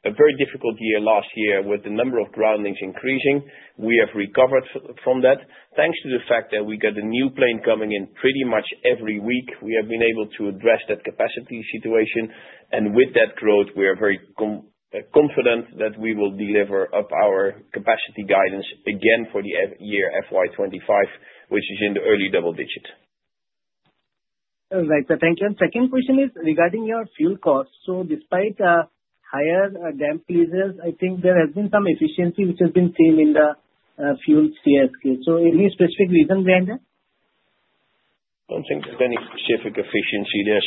a very difficult year last year with the number of groundings increasing. We have recovered from that thanks to the fact that we got a new plane coming in pretty much every week. We have been able to address that capacity situation, and with that growth, we are very confident that we will deliver up our capacity guidance again for the year FY 2025, which is in the early double digit. Perfect. Thank you. And second question is regarding your fuel costs. So despite higher damp leases, I think there has been some efficiency which has been seen in the fuel CASK. So any specific reason behind that? I don't think there's any specific efficiency. There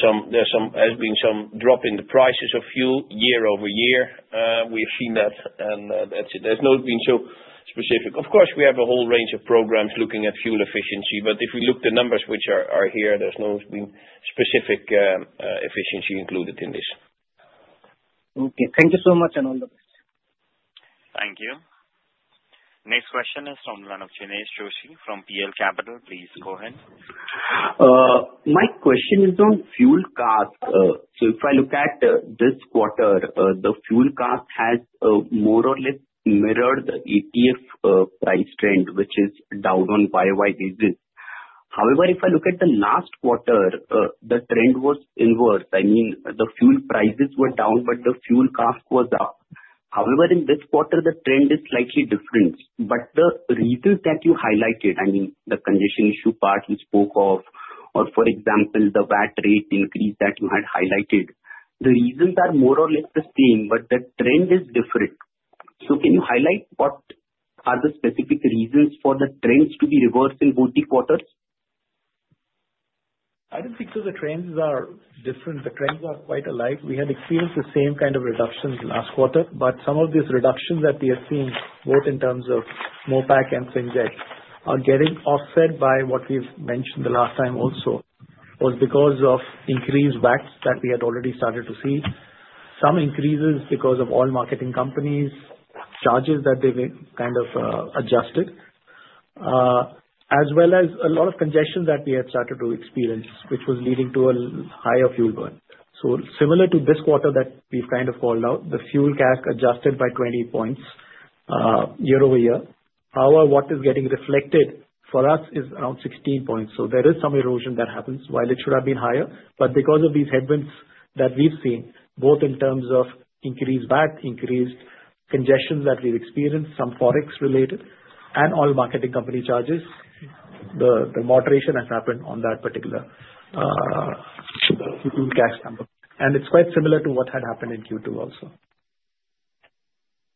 has been some drop in the prices of fuel year over year. We've seen that, and that's it. There's not been so specific. Of course, we have a whole range of programs looking at fuel efficiency, but if we look at the numbers which are here, there's not been specific efficiency included in this. Okay. Thank you so much and all the best. Thank you. Next question is from the line of Jinesh Joshi from PL Capital. Please go ahead. My question is on fuel costs. So if I look at this quarter, the fuel cost has more or less mirrored the ATF price trend, which is down on YOY basis. However, if I look at the last quarter, the trend was inverse. I mean, the fuel prices were down, but the fuel cost was up. However, in this quarter, the trend is slightly different. But the reasons that you highlighted, I mean, the condition issue part you spoke of, or for example, the VAT rate increase that you had highlighted, the reasons are more or less the same, but the trend is different. So can you highlight what are the specific reasons for the trends to be reversed in both the quarters? I don't think so, the trends are different. The trends are quite alike. We had experienced the same kind of reductions last quarter, but some of these reductions that we are seeing, both in terms of MOPS and FinDEC, are getting offset by what we've mentioned the last time, also was because of increased VATs that we had already started to see. Some increases because of oil marketing companies' charges that they kind of adjusted, as well as a lot of congestion that we had started to experience, which was leading to a higher fuel burn. So, similar to this quarter that we've kind of called out, the fuel CASK adjusted by 20 points year over year. However, what is getting reflected for us is around 16 points. So there is some erosion that happens while it should have been higher. But because of these headwinds that we've seen, both in terms of increased VAT, increased congestion that we've experienced, some Forex-related, and all marketing company charges, the moderation has happened on that particular fuel CASK number. And it's quite similar to what had happened in Q2 also.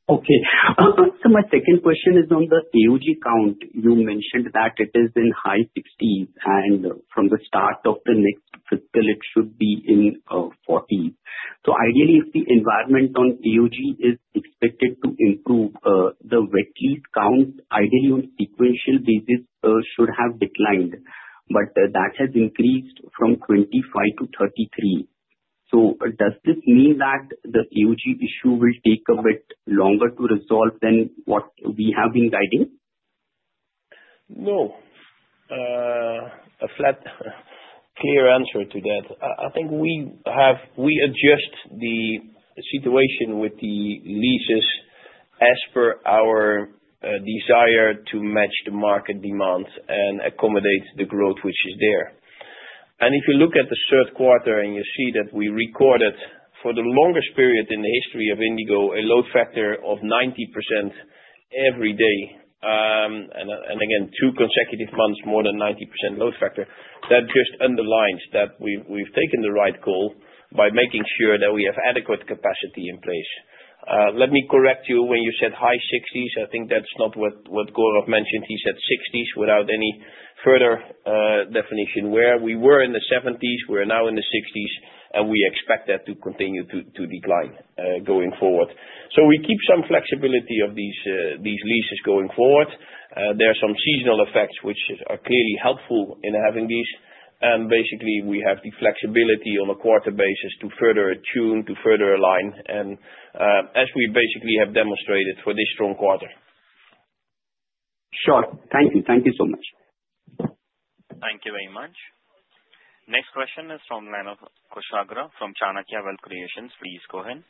Okay. Also, my second question is on the AOG count. You mentioned that it is in high 60s, and from the start of the next fiscal, it should be in 40s. So ideally, if the environment on AOG is expected to improve, the wet lease count, ideally on sequential basis, should have declined. But that has increased from 25 to 33. So does this mean that the AOG issue will take a bit longer to resolve than what we have been guiding? No. A flat, clear answer to that. I think we adjust the situation with the leases as per our desire to match the market demands and accommodate the growth which is there. If you look at the third quarter and you see that we recorded for the longest period in the history of IndiGo a load factor of 90% every day, and again, two consecutive months, more than 90% load factor, that just underlines that we've taken the right call by making sure that we have adequate capacity in place. Let me correct you. When you said high 60s, I think that's not what Gaurav mentioned. He said 60s without any further definition, where we were in the 70s, we're now in the 60s, and we expect that to continue to decline going forward. So we keep some flexibility of these leases going forward. There are some seasonal effects which are clearly helpful in having these. And basically, we have the flexibility on a quarter basis to further tune, to further align, and as we basically have demonstrated for this strong quarter. Sure. Thank you. Thank you so much. Thank you very much. Next question is from the line of Kushagra from Chanakya Wealth Creation. Please go ahead.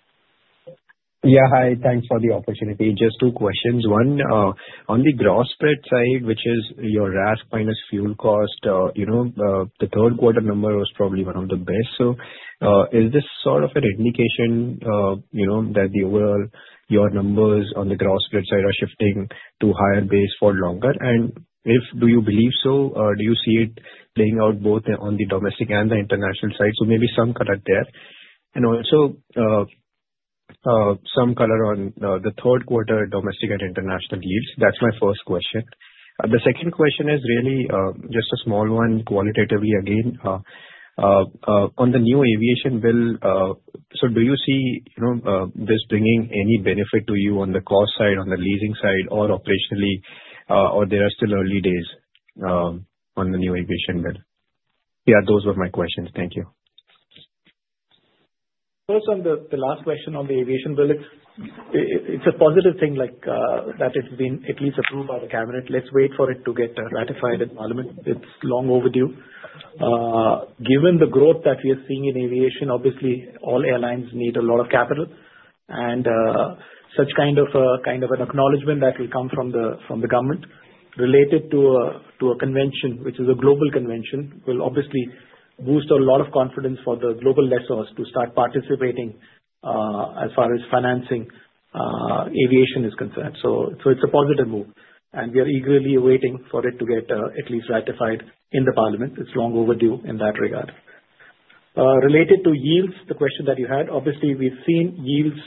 Yeah. Hi. Thanks for the opportunity. Just two questions. One, on the gross spread side, which is your RAS minus fuel cost, the third quarter number was probably one of the best. So is this sort of an indication that your numbers on the gross spread side are shifting to a higher base for longer? And if do you believe so, do you see it playing out both on the domestic and the international side? So maybe some color there. And also some color on the third quarter domestic and international yields. That's my first question. The second question is really just a small one, qualitatively again. On the new aviation bill, so do you see this bringing any benefit to you on the cost side, on the leasing side, or operationally, or there are still early days on the new aviation bill? Yeah, those were my questions. Thank you. First, on the last question on the aviation bill, it's a positive thing that it's been at least approved by the cabinet. Let's wait for it to get ratified in parliament. It's long overdue. Given the growth that we are seeing in aviation, obviously, all airlines need a lot of capital. And such kind of an acknowledgment that will come from the government related to a convention, which is a global convention, will obviously boost a lot of confidence for the global lessors to start participating as far as financing aviation is concerned. So it's a positive move. And we are eagerly awaiting for it to get at least ratified in the parliament. It's long overdue in that regard. Related to yields, the question that you had, obviously, we've seen yields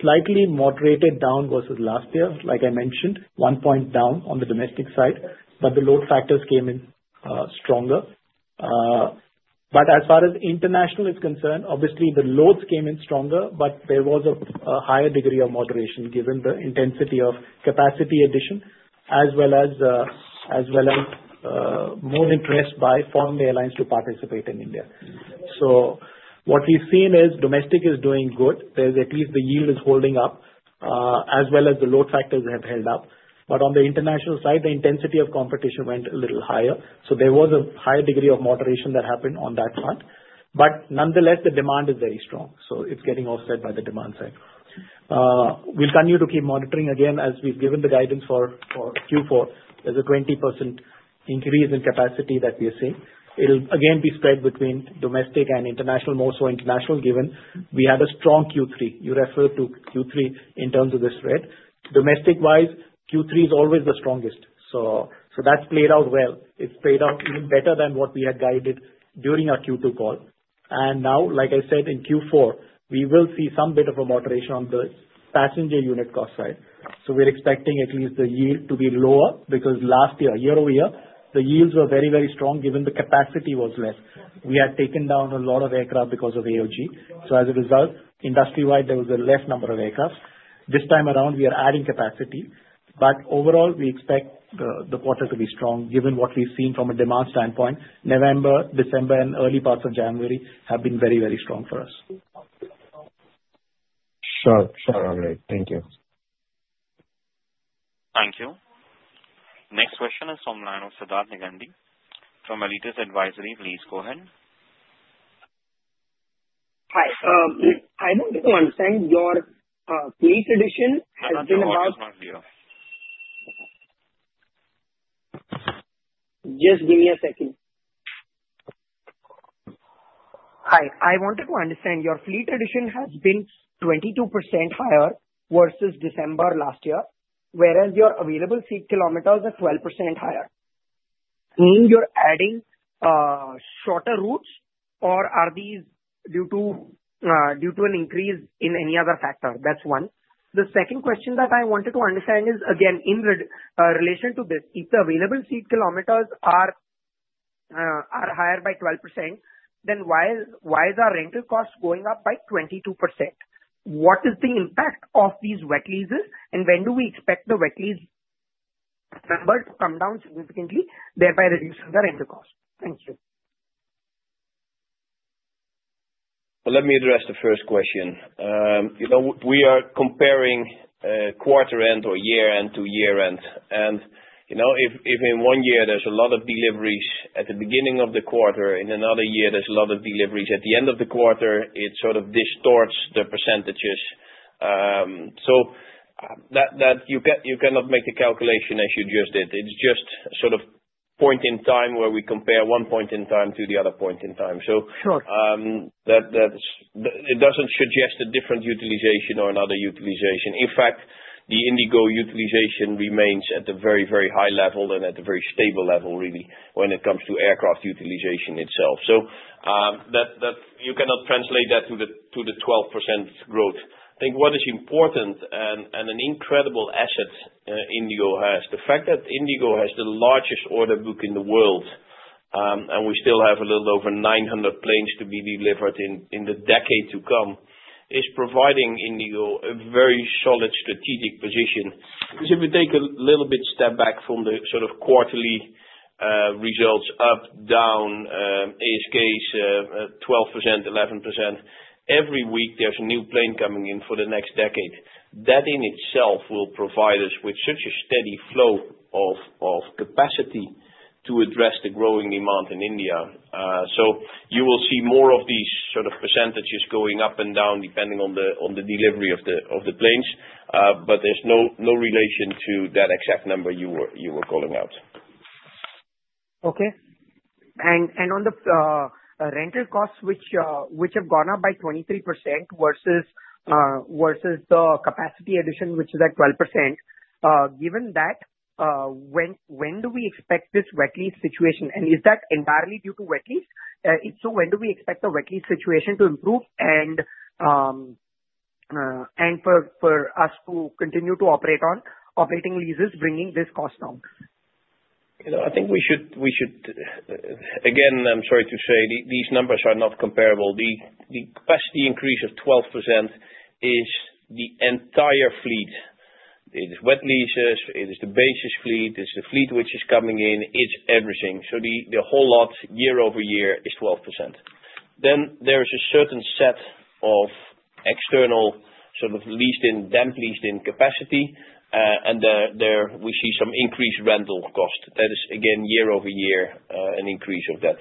slightly moderated down versus last year, like I mentioned, one point down on the domestic side, but the load factors came in stronger, but as far as international is concerned, obviously, the loads came in stronger, but there was a higher degree of moderation given the intensity of capacity addition as well as more interest by foreign airlines to participate in India. So what we've seen is domestic is doing good. At least the yield is holding up as well as the load factors have held up, but on the international side, the intensity of competition went a little higher. So there was a higher degree of moderation that happened on that front, but nonetheless, the demand is very strong. So it's getting offset by the demand side. We'll continue to keep monitoring. Again, as we've given the guidance for Q4, there's a 20% increase in capacity that we are seeing. It'll again be spread between domestic and international, more so international given we had a strong Q3. You referred to Q3 in terms of the spread. Domestic-wise, Q3 is always the strongest. So that's played out well. It's played out even better than what we had guided during our Q2 call, and now, like I said, in Q4, we will see some bit of a moderation on the passenger unit cost side, so we're expecting at least the yield to be lower because last year, year over year, the yields were very, very strong given the capacity was less. We had taken down a lot of aircraft because of AOG, so as a result, industry-wide, there was a less number of aircraft. This time around, we are adding capacity. But overall, we expect the quarter to be strong given what we've seen from a demand standpoint. November, December, and early parts of January have been very, very strong for us. Sure. Sure. Thank you. Thank you. Next question is from the line of Siddharth Negandhi from Aletheia Capital. Please go ahead. Hi. I wanted to understand your fleet addition has been about? Not much, not much. Just give me a second. Hi. I wanted to understand your fleet addition has been 22% higher versus December last year, whereas your available seat kilometers are 12% higher. Meaning you're adding shorter routes, or are these due to an increase in any other factor? That's one. The second question that I wanted to understand is, again, in relation to this, if the available seat kilometers are higher by 12%, then why is our rental cost going up by 22%? What is the impact of these wet leases, and when do we expect the wet lease number to come down significantly, thereby reducing the rental cost? Thank you. Well, let me address the first question. We are comparing quarter-end or year-end to year-end. And if in one year there's a lot of deliveries at the beginning of the quarter, in another year there's a lot of deliveries at the end of the quarter, it sort of distorts the percentages. So you cannot make the calculation as you just did. It's just sort of point in time where we compare one point in time to the other point in time. So it doesn't suggest a different utilization or another utilization. In fact, the IndiGo utilization remains at a very, very high level and at a very stable level, really, when it comes to aircraft utilization itself. So you cannot translate that to the 12% growth. I think what is important and an incredible asset IndiGo has, the fact that IndiGo has the largest order book in the world, and we still have a little over 900 planes to be delivered in the decade to come, is providing IndiGo a very solid strategic position. Because if we take a little bit step back from the sort of quarterly results, up, down, ASKs, 12%, 11%, every week there's a new plane coming in for the next decade. That in itself will provide us with such a steady flow of capacity to address the growing demand in India, so you will see more of these sort of percentages going up and down depending on the delivery of the planes, but there's no relation to that exact number you were calling out. Okay. And on the rental costs, which have gone up by 23% versus the capacity addition, which is at 12%, given that, when do we expect this wet lease situation? And is that entirely due to wet lease? If so, when do we expect the wet lease situation to improve and for us to continue to operate on operating leases, bringing this cost down? I think we should again, I'm sorry to say, these numbers are not comparable. The capacity increase of 12% is the entire fleet. It is wet leases, it is the base fleet, it is the fleet which is coming in, it's everything. So the whole lot year over year is 12%. Then there is a certain set of external sort of leased-in, damp leased-in capacity, and there we see some increased rental cost. That is, again, year over year, an increase of that.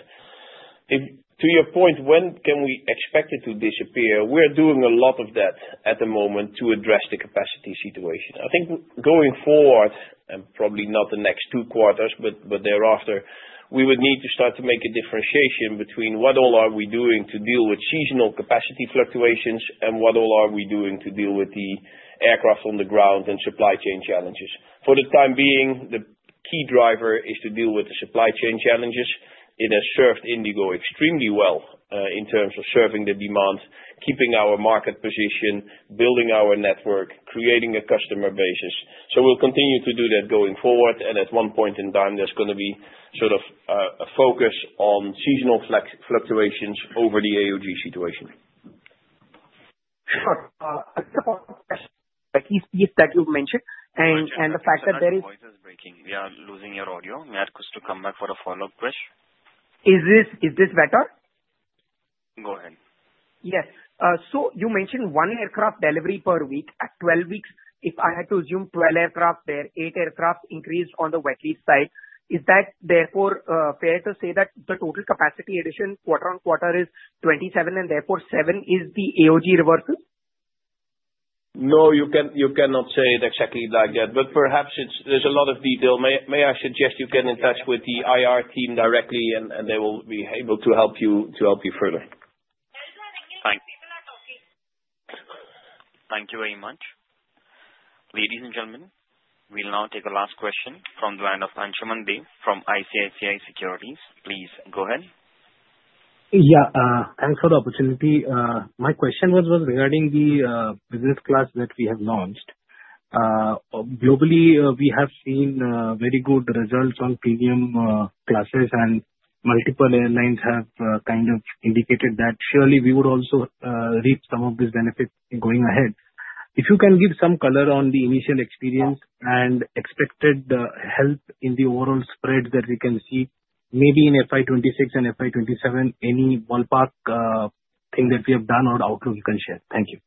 To your point, when can we expect it to disappear? We're doing a lot of that at the moment to address the capacity situation. I think going forward, and probably not the next two quarters, but thereafter, we would need to start to make a differentiation between what all are we doing to deal with seasonal capacity fluctuations and what all are we doing to deal with the Aircraft on Ground and supply chain challenges. For the time being, the key driver is to deal with the supply chain challenges. It has served IndiGo extremely well in terms of serving the demand, keeping our market position, building our network, creating a customer base. So we'll continue to do that going forward, and at one point in time, there's going to be sort of a focus on seasonal fluctuations over the AOG situation. Sure. A couple of questions. The key fleet that you mentioned and the fact that there is. Your voice is breaking. We are losing your audio. We had Kush to come back for a follow-up question. Is this better? Go ahead. Yes, so you mentioned one aircraft delivery per week at 12 weeks. If I had to assume 12 aircraft, there are eight aircraft increased on the wet lease side. Is that therefore fair to say that the total capacity addition quarter on quarter is 27, and therefore seven is the AOG reversal? No, you cannot say it exactly like that, but perhaps there's a lot of detail. May I suggest you get in touch with the IR team directly, and they will be able to help you further? Thank you very much. Ladies and gentlemen, we'll now take a last question from the line of Ansuman Deb from ICICI Securities. Please go ahead. Yeah. Thanks for the opportunity. My question was regarding the business class that we have launched. Globally, we have seen very good results on premium classes, and multiple airlines have kind of indicated that surely we would also reap some of these benefits going ahead. If you can give some color on the initial experience and expected help in the overall spread that we can see, maybe in FY 2026 and FY 2027, any ballpark thing that we have done or outlook you can share. Thank you.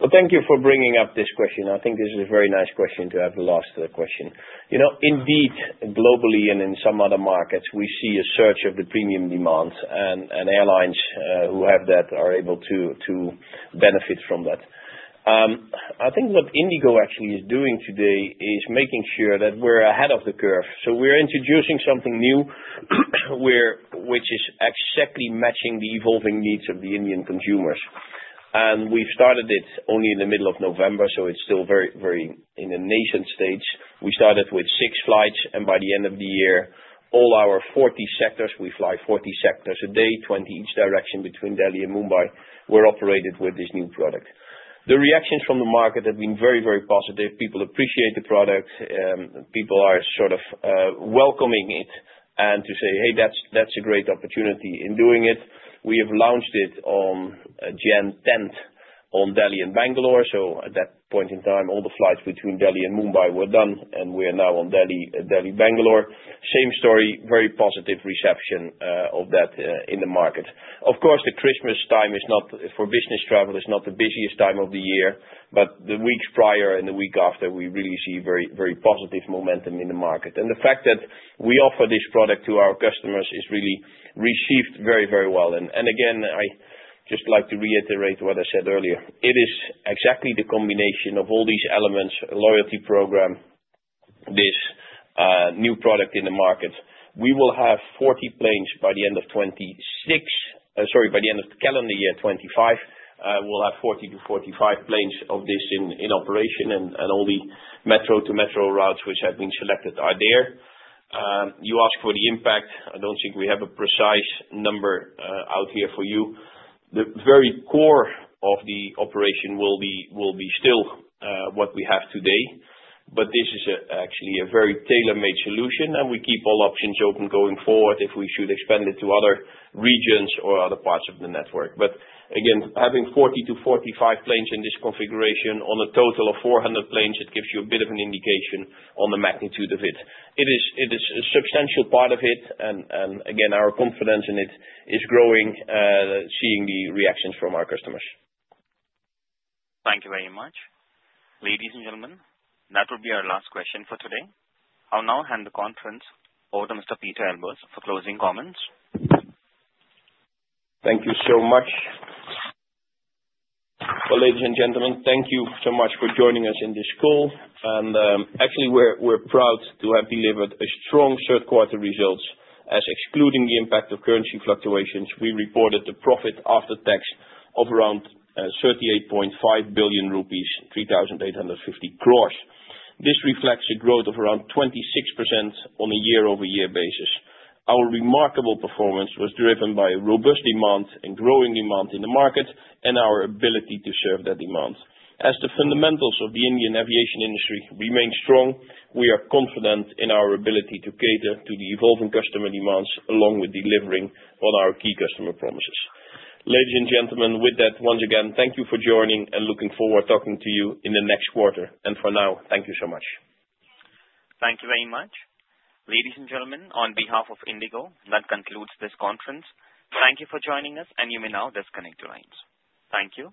Thank you for bringing up this question. I think this is a very nice question to have the last question. Indeed, globally and in some other markets, we see a surge of the premium demands, and airlines who have that are able to benefit from that. I think what IndiGo actually is doing today is making sure that we're ahead of the curve. So we're introducing something new which is exactly matching the evolving needs of the Indian consumers. And we've started it only in the middle of November, so it's still very in the nascent stage. We started with six flights, and by the end of the year, all our 40 sectors - we fly 40 sectors a day, 20 each direction between Delhi and Mumbai - were operated with this new product. The reactions from the market have been very, very positive. People appreciate the product. People are sort of welcoming it and to say, "Hey, that's a great opportunity in doing it." We have launched it on Jan 10 on Delhi and Bangalore, so at that point in time, all the flights between Delhi and Mumbai were done, and we are now on Delhi-Bangalore. Same story, very positive reception of that in the market. Of course, the Christmas time for business travel is not the busiest time of the year, but the weeks prior and the week after, we really see very positive momentum in the market, and the fact that we offer this product to our customers is really received very, very well, and again, I just like to reiterate what I said earlier. It is exactly the combination of all these elements: loyalty program, this new product in the market. We will have 40 planes by the end of 2026, sorry, by the end of the calendar year, 2025, we'll have 40 to 45 planes of this in operation, and all the metro-to-metro routes which have been selected are there. You asked for the impact. I don't think we have a precise number out here for you. The very core of the operation will be still what we have today, but this is actually a very tailor-made solution, and we keep all options open going forward if we should expand it to other regions or other parts of the network. But again, having 40 to 45 planes in this configuration on a total of 400 planes, it gives you a bit of an indication on the magnitude of it. It is a substantial part of it, and again, our confidence in it is growing, seeing the reactions from our customers. Thank you very much. Ladies and gentlemen, that will be our last question for today. I'll now hand the conference over to Mr. Pieter Elbers for closing comments. Thank you so much. Well, ladies and gentlemen, thank you so much for joining us in this call. And actually, we're proud to have delivered strong third-quarter results. As excluding the impact of currency fluctuations, we reported a profit after tax of around 38.5 billion rupees, 3,850 crore. This reflects a growth of around 26% on a year-over-year basis. Our remarkable performance was driven by robust demand and growing demand in the market and our ability to serve that demand. As the fundamentals of the Indian aviation industry remain strong, we are confident in our ability to cater to the evolving customer demands along with delivering on our key customer promises. Ladies and gentlemen, with that, once again, thank you for joining and looking forward to talking to you in the next quarter. And for now, thank you so much. Thank you very much. Ladies and gentlemen, on behalf of IndiGo, that concludes this conference. Thank you for joining us, and you may now disconnect your lines. Thank you.